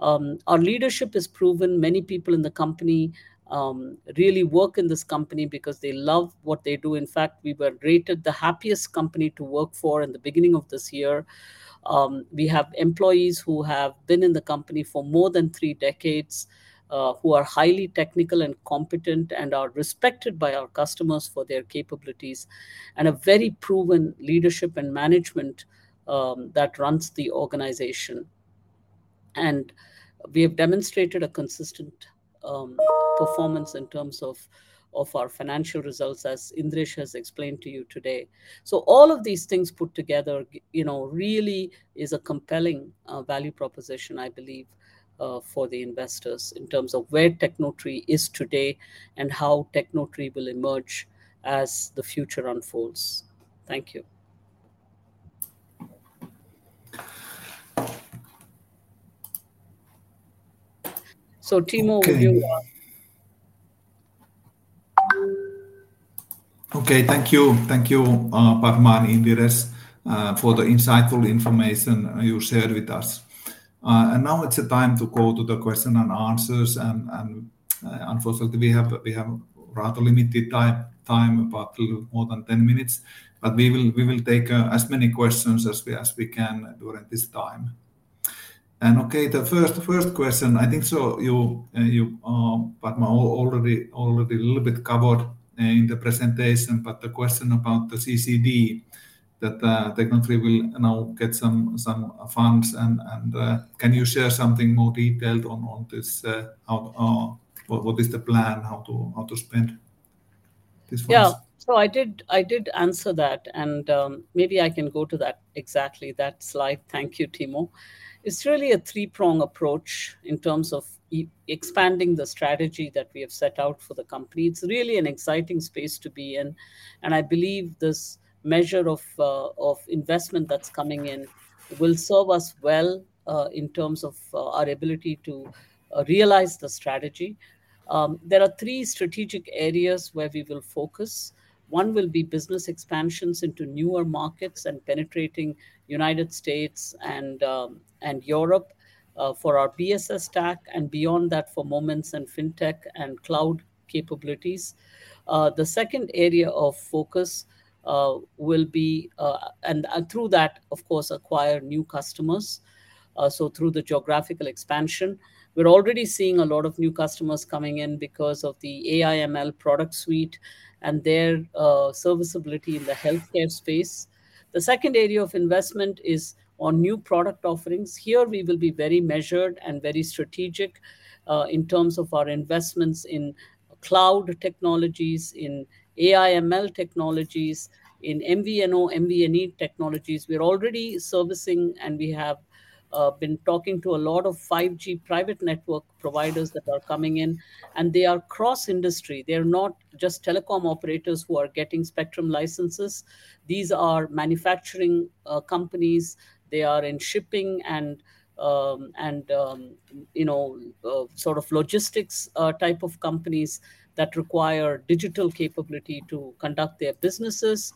[SPEAKER 2] Our leadership has proven many people in the company really work in this company because they love what they do. In fact, we were rated the happiest company to work for in the beginning of this year. We have employees who have been in the company for more than three decades, who are highly technical and competent and are respected by our customers for their capabilities, and a very proven leadership and management that runs the organization. We have demonstrated a consistent performance in terms of, of our financial results, as Indiresh has explained to you today. All of these things put together, you know, really is a compelling value proposition, I believe, for the investors in terms of where Tecnotree is today and how Tecnotree will emerge as the future unfolds. Thank you. Timo, over to you.
[SPEAKER 1] Okay. Okay, thank you. Thank you, Padma and Indiresh, for the insightful information you shared with us. Now it's the time to go to the question and answers, and, unfortunately, we have, we have rather limited time, time about little more than 10 minutes, but we will take as many questions as we can during this time. Okay, the first question, I think so you, Padma, already a little bit covered in the presentation, but the question about the CCD, that Tecnotree will now get some funds and, can you share something more detailed on this, how—what is the plan, how to spend these funds?
[SPEAKER 2] Yeah. I did, I did answer that, and maybe I can go to that exactly that slide. Thank you, Timo. It's really a three-prong approach in terms of expanding the strategy that we have set out for the company. It's really an exciting space to be in, and I believe this measure of investment that's coming in will serve us well in terms of our ability to realize the strategy. There are three strategic areas where we will focus. One will be business expansions into newer markets and penetrating United States and Europe for our BSS stack, and beyond that, for Moments in Fintech and cloud capabilities. The second area of focus will be—through that, of course, acquire new customers, so through the geographical expansion. We're already seeing a lot of new customers coming in because of the AI/ML product suite and their serviceability in the healthcare space. The second area of investment is on new product offerings. Here, we will be very measured and very strategic in terms of our investments in cloud technologies, in AI/ML technologies, in MVNO, MVNE technologies. We're already servicing, and we have been talking to a lot of 5G private network providers that are coming in, and they are cross-industry. They are not just telecom operators who are getting spectrum licenses. These are manufacturing companies. They are in shipping and, you know, sort of logistics type of companies that require digital capability to conduct their businesses.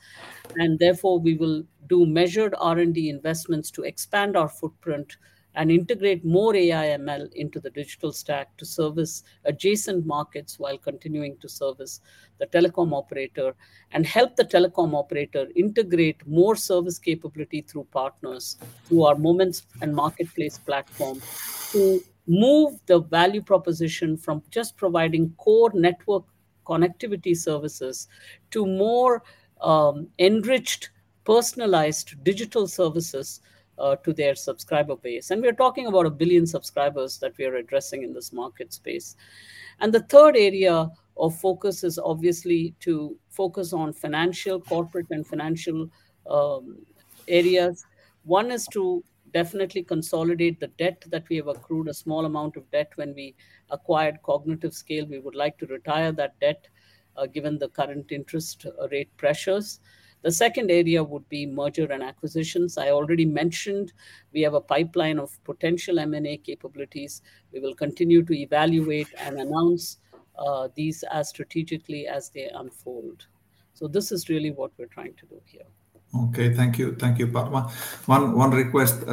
[SPEAKER 2] Therefore, we will do measured R&D investments to expand our footprint and integrate more AI/ML into the digital stack to service adjacent markets, while continuing to service the telecom operator and help the telecom operator integrate more service capability through partners, through our Moments and marketplace platform, to move the value proposition from just providing core network connectivity services to more enriched, personalized digital services to their subscriber base, and we're talking about a billion subscribers that we are addressing in this market space. The third area of focus is obviously to focus on financial, corporate, and financial areas. One is to definitely consolidate the debt that we have accrued, a small amount of debt when we acquired CognitiveScale. We would like to retire that debt given the current interest rate pressures. The second area would be merger and acquisitions. I already mentioned we have a pipeline of potential M&A capabilities. We will continue to evaluate and announce these as strategically as they unfold. This is really what we're trying to do here.
[SPEAKER 1] Okay, thank you. Thank you, Padma. One request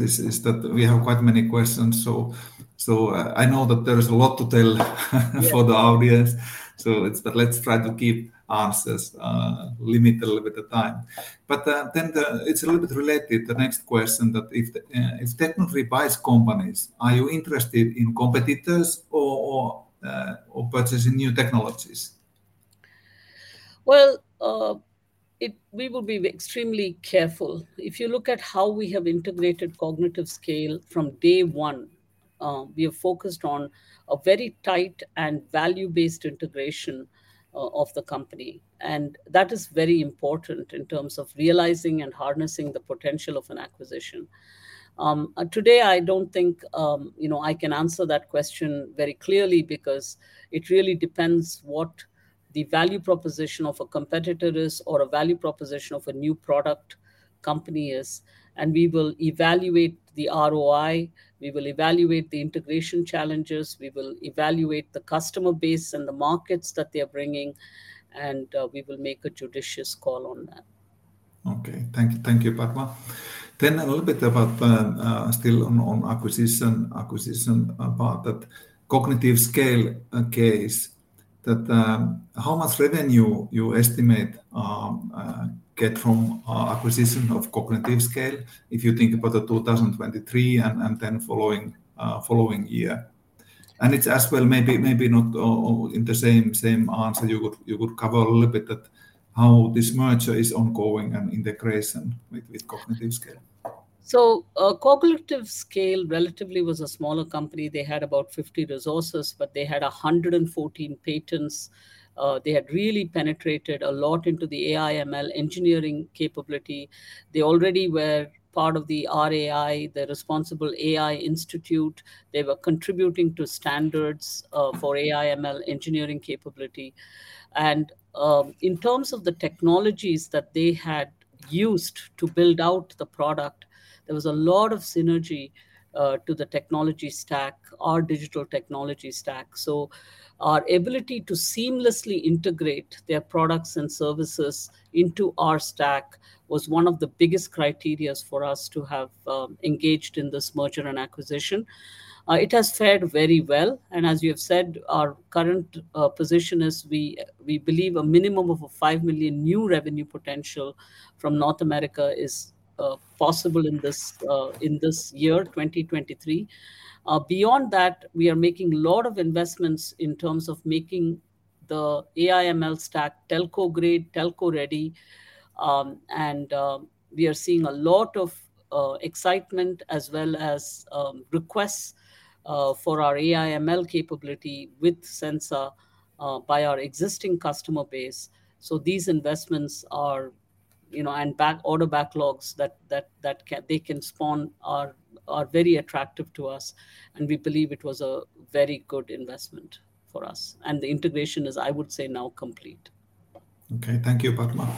[SPEAKER 1] is that we have quite many questions, so I know that there is a lot to tell for the audience. Let's, but let's try to keep answers limited with the time. Then the—it’s a little bit related, the next question, that if Tecnotree buys companies, are you interested in competitors or purchasing new technologies?
[SPEAKER 2] Well, we will be extremely careful. If you look at how we have integrated CognitiveScale from day one, we have focused on a very tight and value-based integration of the company, and that is very important in terms of realizing and harnessing the potential of an acquisition. Today, I don't think, you know, I can answer that question very clearly because it really depends what the value proposition of a competitor is or a value proposition of a new product company is. We will evaluate the ROI, we will evaluate the integration challenges, we will evaluate the customer base and the markets that they are bringing, and we will make a judicious call on that.
[SPEAKER 1] Okay. Thank you. Thank you, Padma. A little bit about, still on acquisition, about that CognitiveScale case, that, how much revenue you estimate, get from, acquisition of CognitiveScale, if you think about the 2023 and then following year? It's as well, maybe not all in the same answer. You could, you could cover a little bit that how this merger is ongoing and integration with CognitiveScale.
[SPEAKER 2] CognitiveScale relatively was a smaller company. They had about 50 resources. They had 114 patents. They had really penetrated a lot into the AI, ML engineering capability. They already were part of the RAI, the Responsible AI Institute. They were contributing to standards for AI, ML engineering capability. In terms of the technologies that they had used to build out the product, there was a lot of synergy to the technology stack, our digital technology stack. Our ability to seamlessly integrate their products and services into our stack was one of the biggest criterias for us to have engaged in this merger and acquisition. It has fared very well, and as you have said, our current position is we, we believe a minimum of a 5 million new revenue potential from North America is possible in this year, 2023. Beyond that, we are making a lot of investments in terms of making the AI/ML stack telco-grade, telco-ready. We are seeing a lot of excitement as well as requests for our AI/ML capability with Sensa by our existing customer base. These investments are, you know, back-order backlogs that they can spawn are very attractive to us, and we believe it was a very good investment for us, and the integration is, I would say, now complete.
[SPEAKER 1] Okay, thank you, Padma.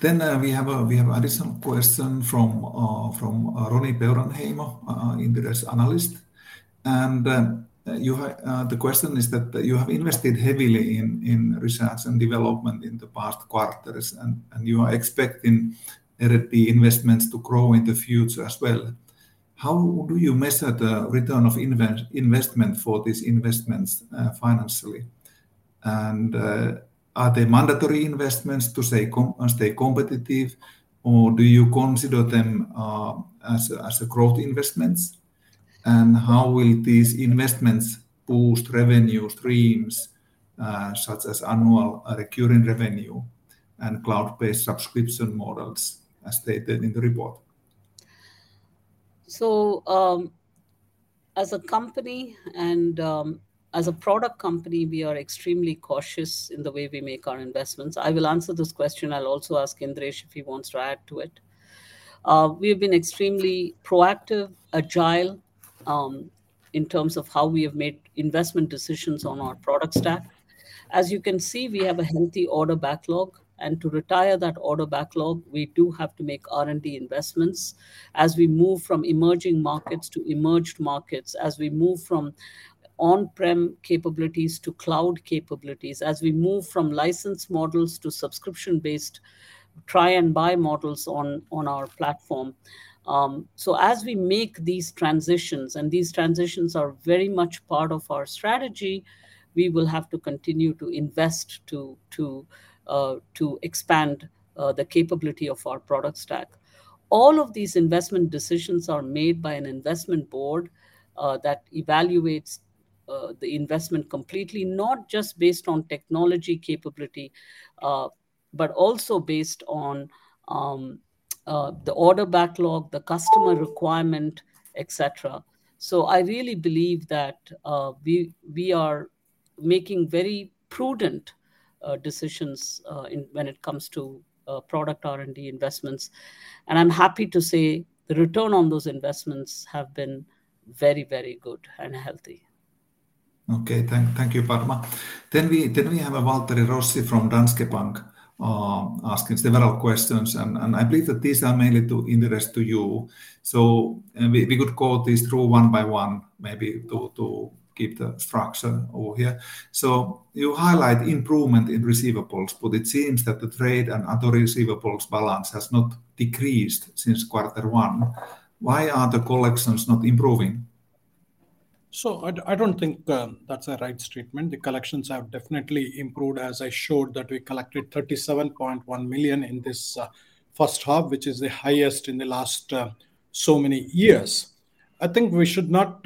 [SPEAKER 1] Then, we have additional question from Roni Peuranheimo, Inderes analyst. You have. The question is that you have invested heavily in research and development in the past quarters, and you are expecting R&D investments to grow in the future as well. How do you measure the return of investment for these investments financially? Are they mandatory investments to stay competitive, or do you consider them as growth investments? How will these investments boost revenue streams, such as annual recurring revenue and cloud-based subscription models, as stated in the report?
[SPEAKER 2] As a company and as a product company, we are extremely cautious in the way we make our investments. I will answer this question. I'll also ask Indiresh if he wants to add to it. We have been extremely proactive, agile, in terms of how we have made investment decisions on our product stack. As you can see, we have a healthy order backlog, and to retire that order backlog, we do have to make R&D investments. As we move from emerging markets to emerged markets, as we move from on-prem capabilities to cloud capabilities, as we move from license models to subscription-based try and buy models on our platform. As we make these transitions, and these transitions are very much part of our strategy, we will have to continue to invest to, to expand the capability of our product stack. All of these investment decisions are made by an investment board that evaluates the investment completely, not just based on technology capability, but also based on the order backlog, the customer requirement, et cetera. I really believe that we are making very prudent decisions when it comes to product R&D investments. I'm happy to say the return on those investments have been very, very good and healthy.
[SPEAKER 1] Okay. Thank you, Padma. We, then we have a Waltteri Rossi from Danske Bank asking several questions, and I believe that these are mainly to Indiresh to you. We could go this through one by one, maybe to keep the structure over here. You highlight improvement in receivables, but it seems that the trade and other receivables balance has not decreased since quarter one. Why are the collections not improving?
[SPEAKER 3] I don't think that's the right statement. The collections have definitely improved, as I showed that we collected 37.1 million in this first half, which is the highest in the last so many years. I think we should not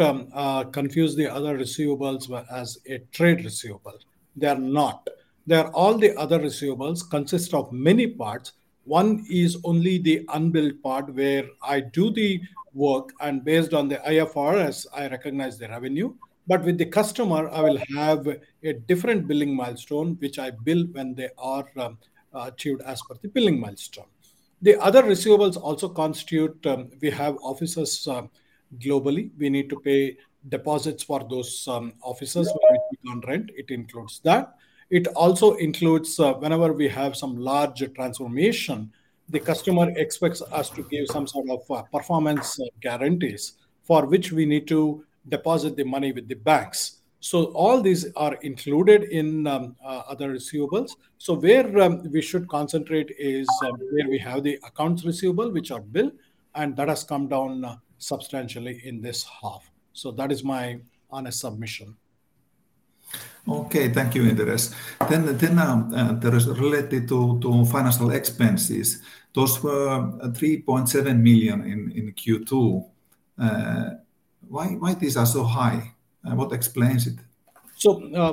[SPEAKER 3] confuse the other receivables as a trade receivable. They are not. They are all the other receivables consist of many parts. One is only the unbilled part, where I do the work, and based on the IFRS, I recognize the revenue. With the customer, I will have a different billing milestone, which I bill when they are tiered as per the billing milestone. The other receivables also constitute. We have offices globally. We need to pay deposits for those offices on rent, it includes that. It also includes, whenever we have some large transformation, the customer expects us to give some sort of performance guarantees, for which we need to deposit the money with the banks. All these are included in other receivables. Where we should concentrate is where we have the accounts receivable, which are billed, and that has come down substantially in this half. That is my honest submission.
[SPEAKER 1] Okay, thank you, Indiresh. Then, there is related to financial expenses. Those were 3.7 million in Q2. Why, why these are so high, and what explains it?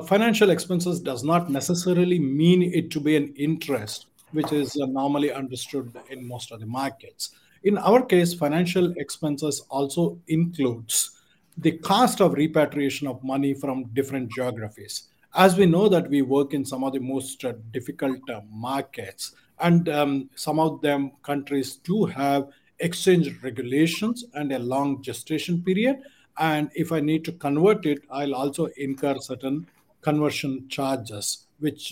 [SPEAKER 3] Financial expenses does not necessarily mean it to be an interest, which is normally understood in most of the markets. In our case, financial expenses also includes the cost of repatriation of money from different geographies. As we know that we work in some of the most difficult markets, and some of them countries do have exchange regulations and a long gestation period. If I need to convert it, I'll also incur certain conversion charges, which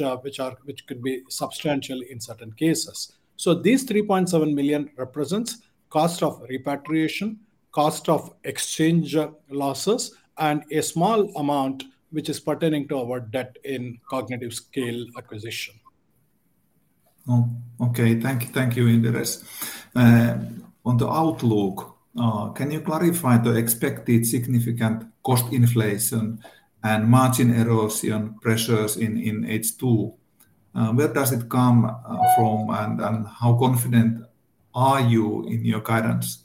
[SPEAKER 3] could be substantial in certain cases. These 3.7 million represents cost of repatriation, cost of exchange losses, and a small amount which is pertaining to our debt in CognitiveScale acquisition.
[SPEAKER 1] Okay. Thank you, Indiresh. On the outlook, can you clarify the expected significant cost inflation and margin erosion pressures in H2? Where does it come from? How confident are you in your guidance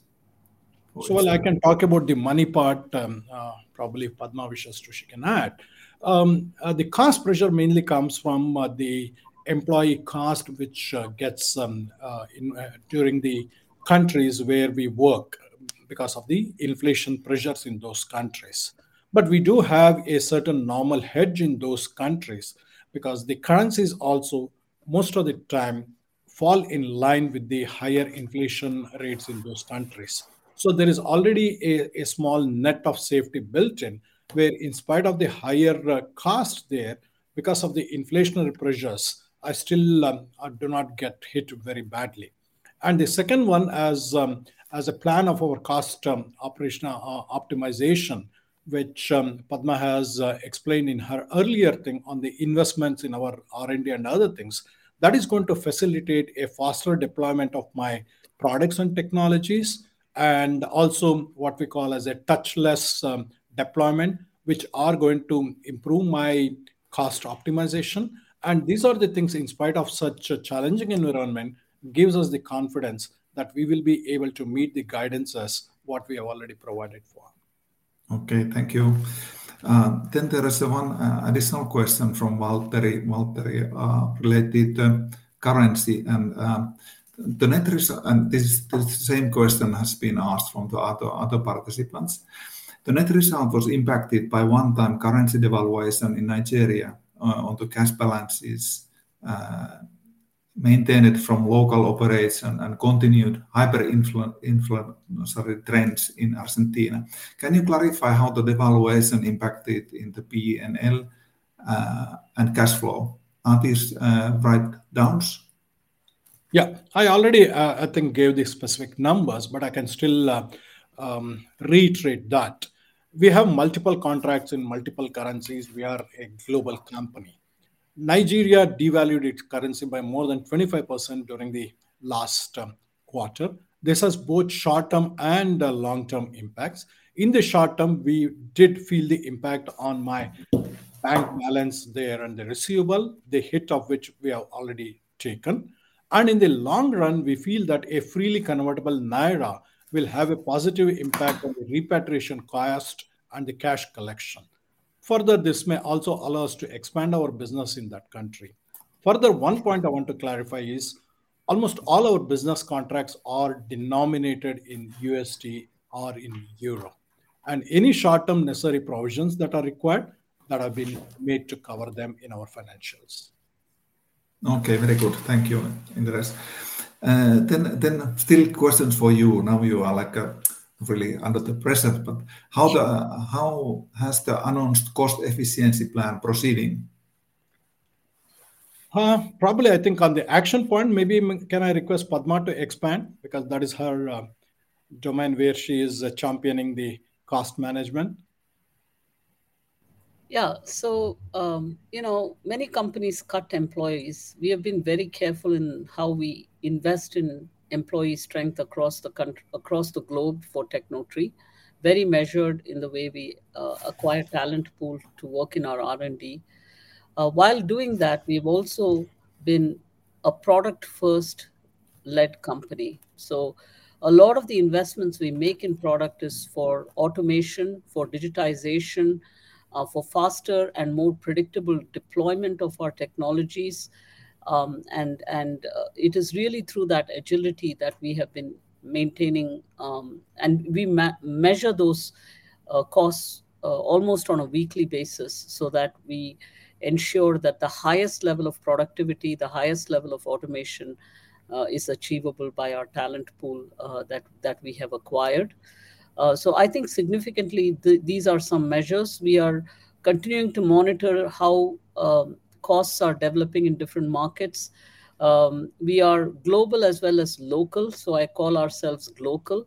[SPEAKER 1] for this?
[SPEAKER 3] I can talk about the money part, probably Padma [Vishwasrushik] can add. The cost pressure mainly comes from the employee cost, which gets during the countries where we work because of the inflation pressures in those countries. We do have a certain normal hedge in those countries because the currencies also, most of the time, fall in line with the higher inflation rates in those countries. There is already a small net of safety built in, where in spite of the higher cost there, because of the inflationary pressures, I still do not get hit very badly. The second one, as a plan of our cost operational optimization, which Padma has explained in her earlier thing on the investments in our R&D and other things, that is going to facilitate a faster deployment of my products and technologies, and also what we call as a touchless deployment, which are going to improve my cost optimization. These are the things, in spite of such a challenging environment, gives us the confidence that we will be able to meet the guidances what we have already provided for.
[SPEAKER 1] Okay, thank you. Then there is one additional question from Valtari related to currency and the net and this same question has been asked from the other participants. The net result was impacted by one-time currency devaluation in Nigeria, on the cash balances, maintained from local operation and continued hyperinflation trends in Argentina. Can you clarify how the devaluation impacted in the P&L and cash flow? Are these write downs?
[SPEAKER 3] Yeah. I already, I think, gave the specific numbers, but I can still reiterate that. We have multiple contracts in multiple currencies. We are a global company. Nigeria devalued its currency by more than 25% during the last quarter. This has both short-term and long-term impacts. In the short term, we did feel the impact on my bank balance there and the receivable, the hit of which we have already taken. In the long run, we feel that a freely convertible Naira will have a positive impact on the repatriation cost and the cash collection. Further, this may also allow us to expand our business in that country. Further, one point I want to clarify is, almost all our business contracts are denominated in USD or in Euro, and any short-term necessary provisions that are required, that have been made to cover them in our financials.
[SPEAKER 1] Okay, very good. Thank you, Indiresh. Still questions for you. Now, you are like, really under the pressure, but how has the announced cost efficiency plan proceeding?
[SPEAKER 3] Probably, I think on the action point, maybe can I request Padma to expand? Because that is her domain, where she is championing the cost management.
[SPEAKER 2] Yeah. You know, many companies cut employees. We have been very careful in how we invest in employee strength across the globe for Tecnotree. Very measured in the way we acquire talent pool to work in our R&D. While doing that, we've also been a product-first-led company. A lot of the investments we make in product is for automation, for digitization, for faster and more predictable deployment of our technologies. It is really through that agility that we have been maintaining. We measure those costs almost on a weekly basis so that we ensure that the highest level of productivity, the highest level of automation is achievable by our talent pool that we have acquired. I think significantly, these are some measures. We are continuing to monitor how costs are developing in different markets. We are global as well as local, so I call ourselves local,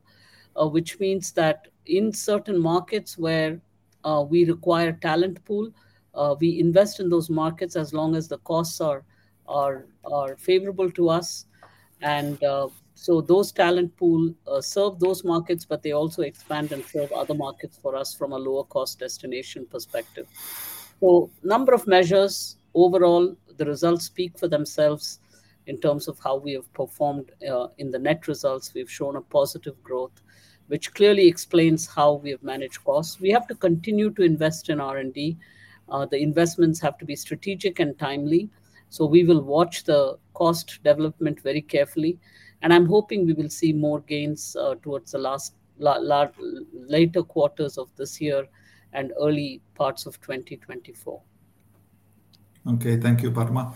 [SPEAKER 2] which means that in certain markets where we require talent pool, we invest in those markets as long as the costs are favorable to us. Those talent pool serve those markets, but they also expand and serve other markets for us from a lower cost destination perspective. Number of measures. Overall, the results speak for themselves in terms of how we have performed. In the net results, we've shown a positive growth, which clearly explains how we have managed costs. We have to continue to invest in R&D. The investments have to be strategic and timely, so we will watch the cost development very carefully, and I'm hoping we will see more gains towards the later quarters of this year and early parts of 2024.
[SPEAKER 1] Okay. Thank you, Padma.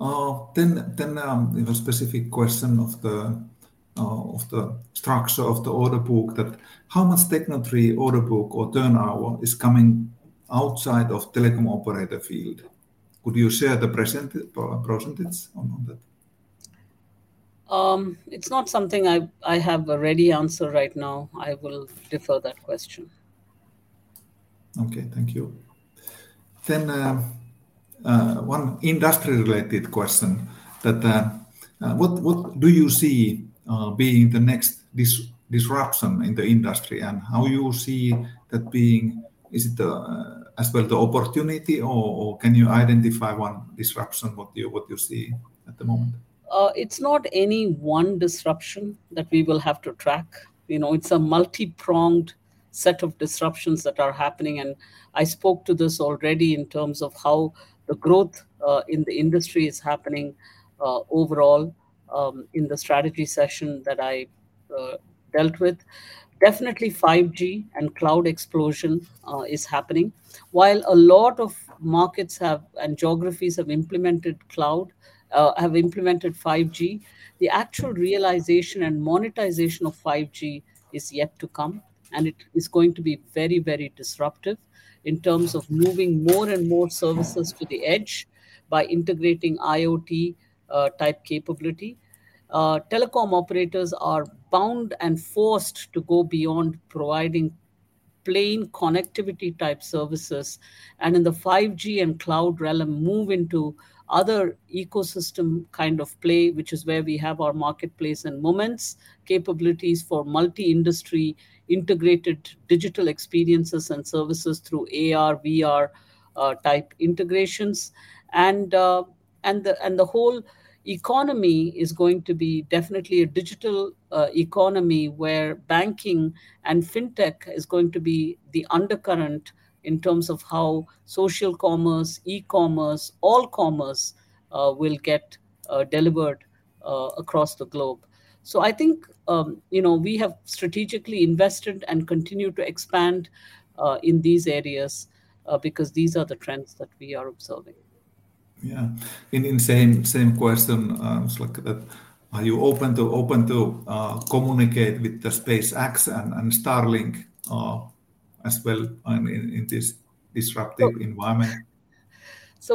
[SPEAKER 1] You know, specific question of the structure of the order book, that how much Tecnotree order book or turn hour is coming outside of telecom operator field? Could you share the percentage on that?
[SPEAKER 2] It's not something I, I have a ready answer right now. I will defer that question.
[SPEAKER 1] Okay, thank you. One industry-related question, that, what do you see, being the next disruption in the industry, and how you see that being? Is it the, as well, the opportunity, or can you identify one disruption, what you see at the moment?
[SPEAKER 2] It's not any one disruption that we will have to track. You know, it's a multipronged set of disruptions that are happening, and I spoke to this already in terms of how the growth in the industry is happening overall in the strategy session that I dealt with. Definitely, 5G and cloud explosion is happening. While a lot of markets have—and geographies have implemented cloud, have implemented 5G, the actual realization and monetization of 5G is yet to come, and it is going to be very, very disruptive in terms of moving more and more services to the EDGE by integrating IoT type capability. Telecom operators are bound and forced to go beyond providing plain connectivity-type services, and in the 5G and cloud realm, move into other ecosystem kind of play, which is where we have our marketplace and Moments capabilities for multi-industry, integrated digital experiences and services through AR/VR type integrations. The whole economy is going to be definitely a digital economy, where banking and Fintech is going to be the undercurrent in terms of how social commerce, e-commerce, all commerce will get delivered across the globe. I think, you know, we have strategically invested and continue to expand in these areas because these are the trends that we are observing.
[SPEAKER 1] Yeah. In, in same, same question, it's like that, are you open to, communicate with the SpaceX and Starlink, as well, in this disruptive environment?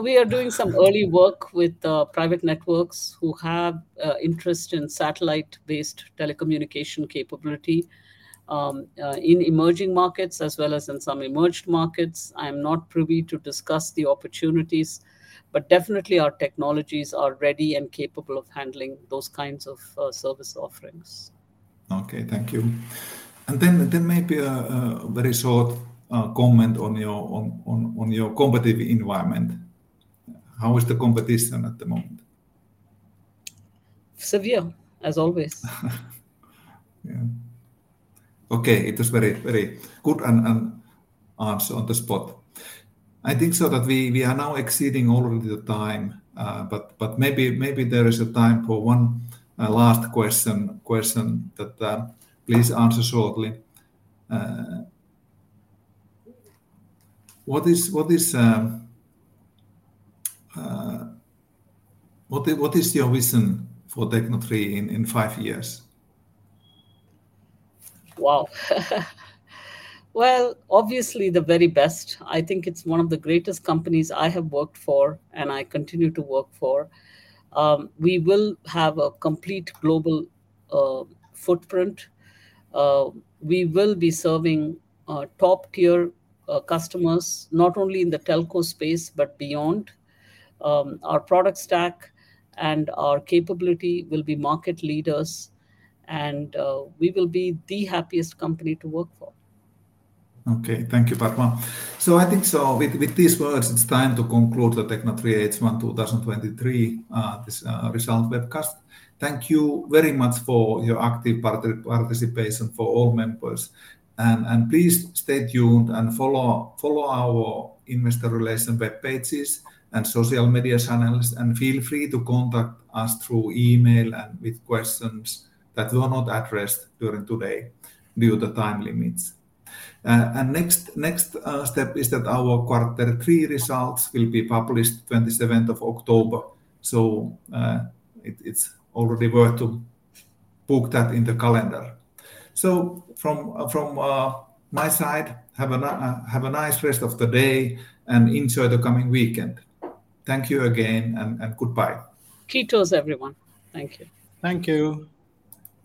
[SPEAKER 2] We are doing some early work with the private networks who have interest in satellite-based telecommunication capability in emerging markets as well as in some emerged markets. I'm not privy to discuss the opportunities, but definitely our technologies are ready and capable of handling those kinds of service offerings.
[SPEAKER 1] Okay, thank you. Then maybe a very short comment on your competitive environment. How is the competition at the moment?
[SPEAKER 2] Severe, as always.
[SPEAKER 1] Yeah. Okay, it is very good and answer on the spot. I think so that we are now exceeding already the time, but maybe there is a time for one last question that please answer shortly. What is your vision for Tecnotree in five years?
[SPEAKER 2] Wow! Well, obviously the very best. I think it's one of the greatest companies I have worked for, and I continue to work for. We will have a complete global footprint. We will be serving top-tier customers, not only in the telco space but beyond. Our product stack and our capability will be market leaders, and we will be the happiest company to work for.
[SPEAKER 1] Okay. Thank you, Padma. I think so with these words, it's time to conclude the Tecnotree H1 2023, this result webcast. Thank you very much for your active participation for all members. Please stay tuned and follow, follow our investor relation web pages and social media channels, and feel free to contact us through email and with questions that were not addressed during today due to time limits. Next, next step is that our quarter three results will be published 27th of October. It's already worth to book that in the calendar. From my side, have a nice rest of the day, and enjoy the coming weekend. Thank you again. Goodbye.
[SPEAKER 2] Cheers, everyone. Thank you.
[SPEAKER 3] Thank you.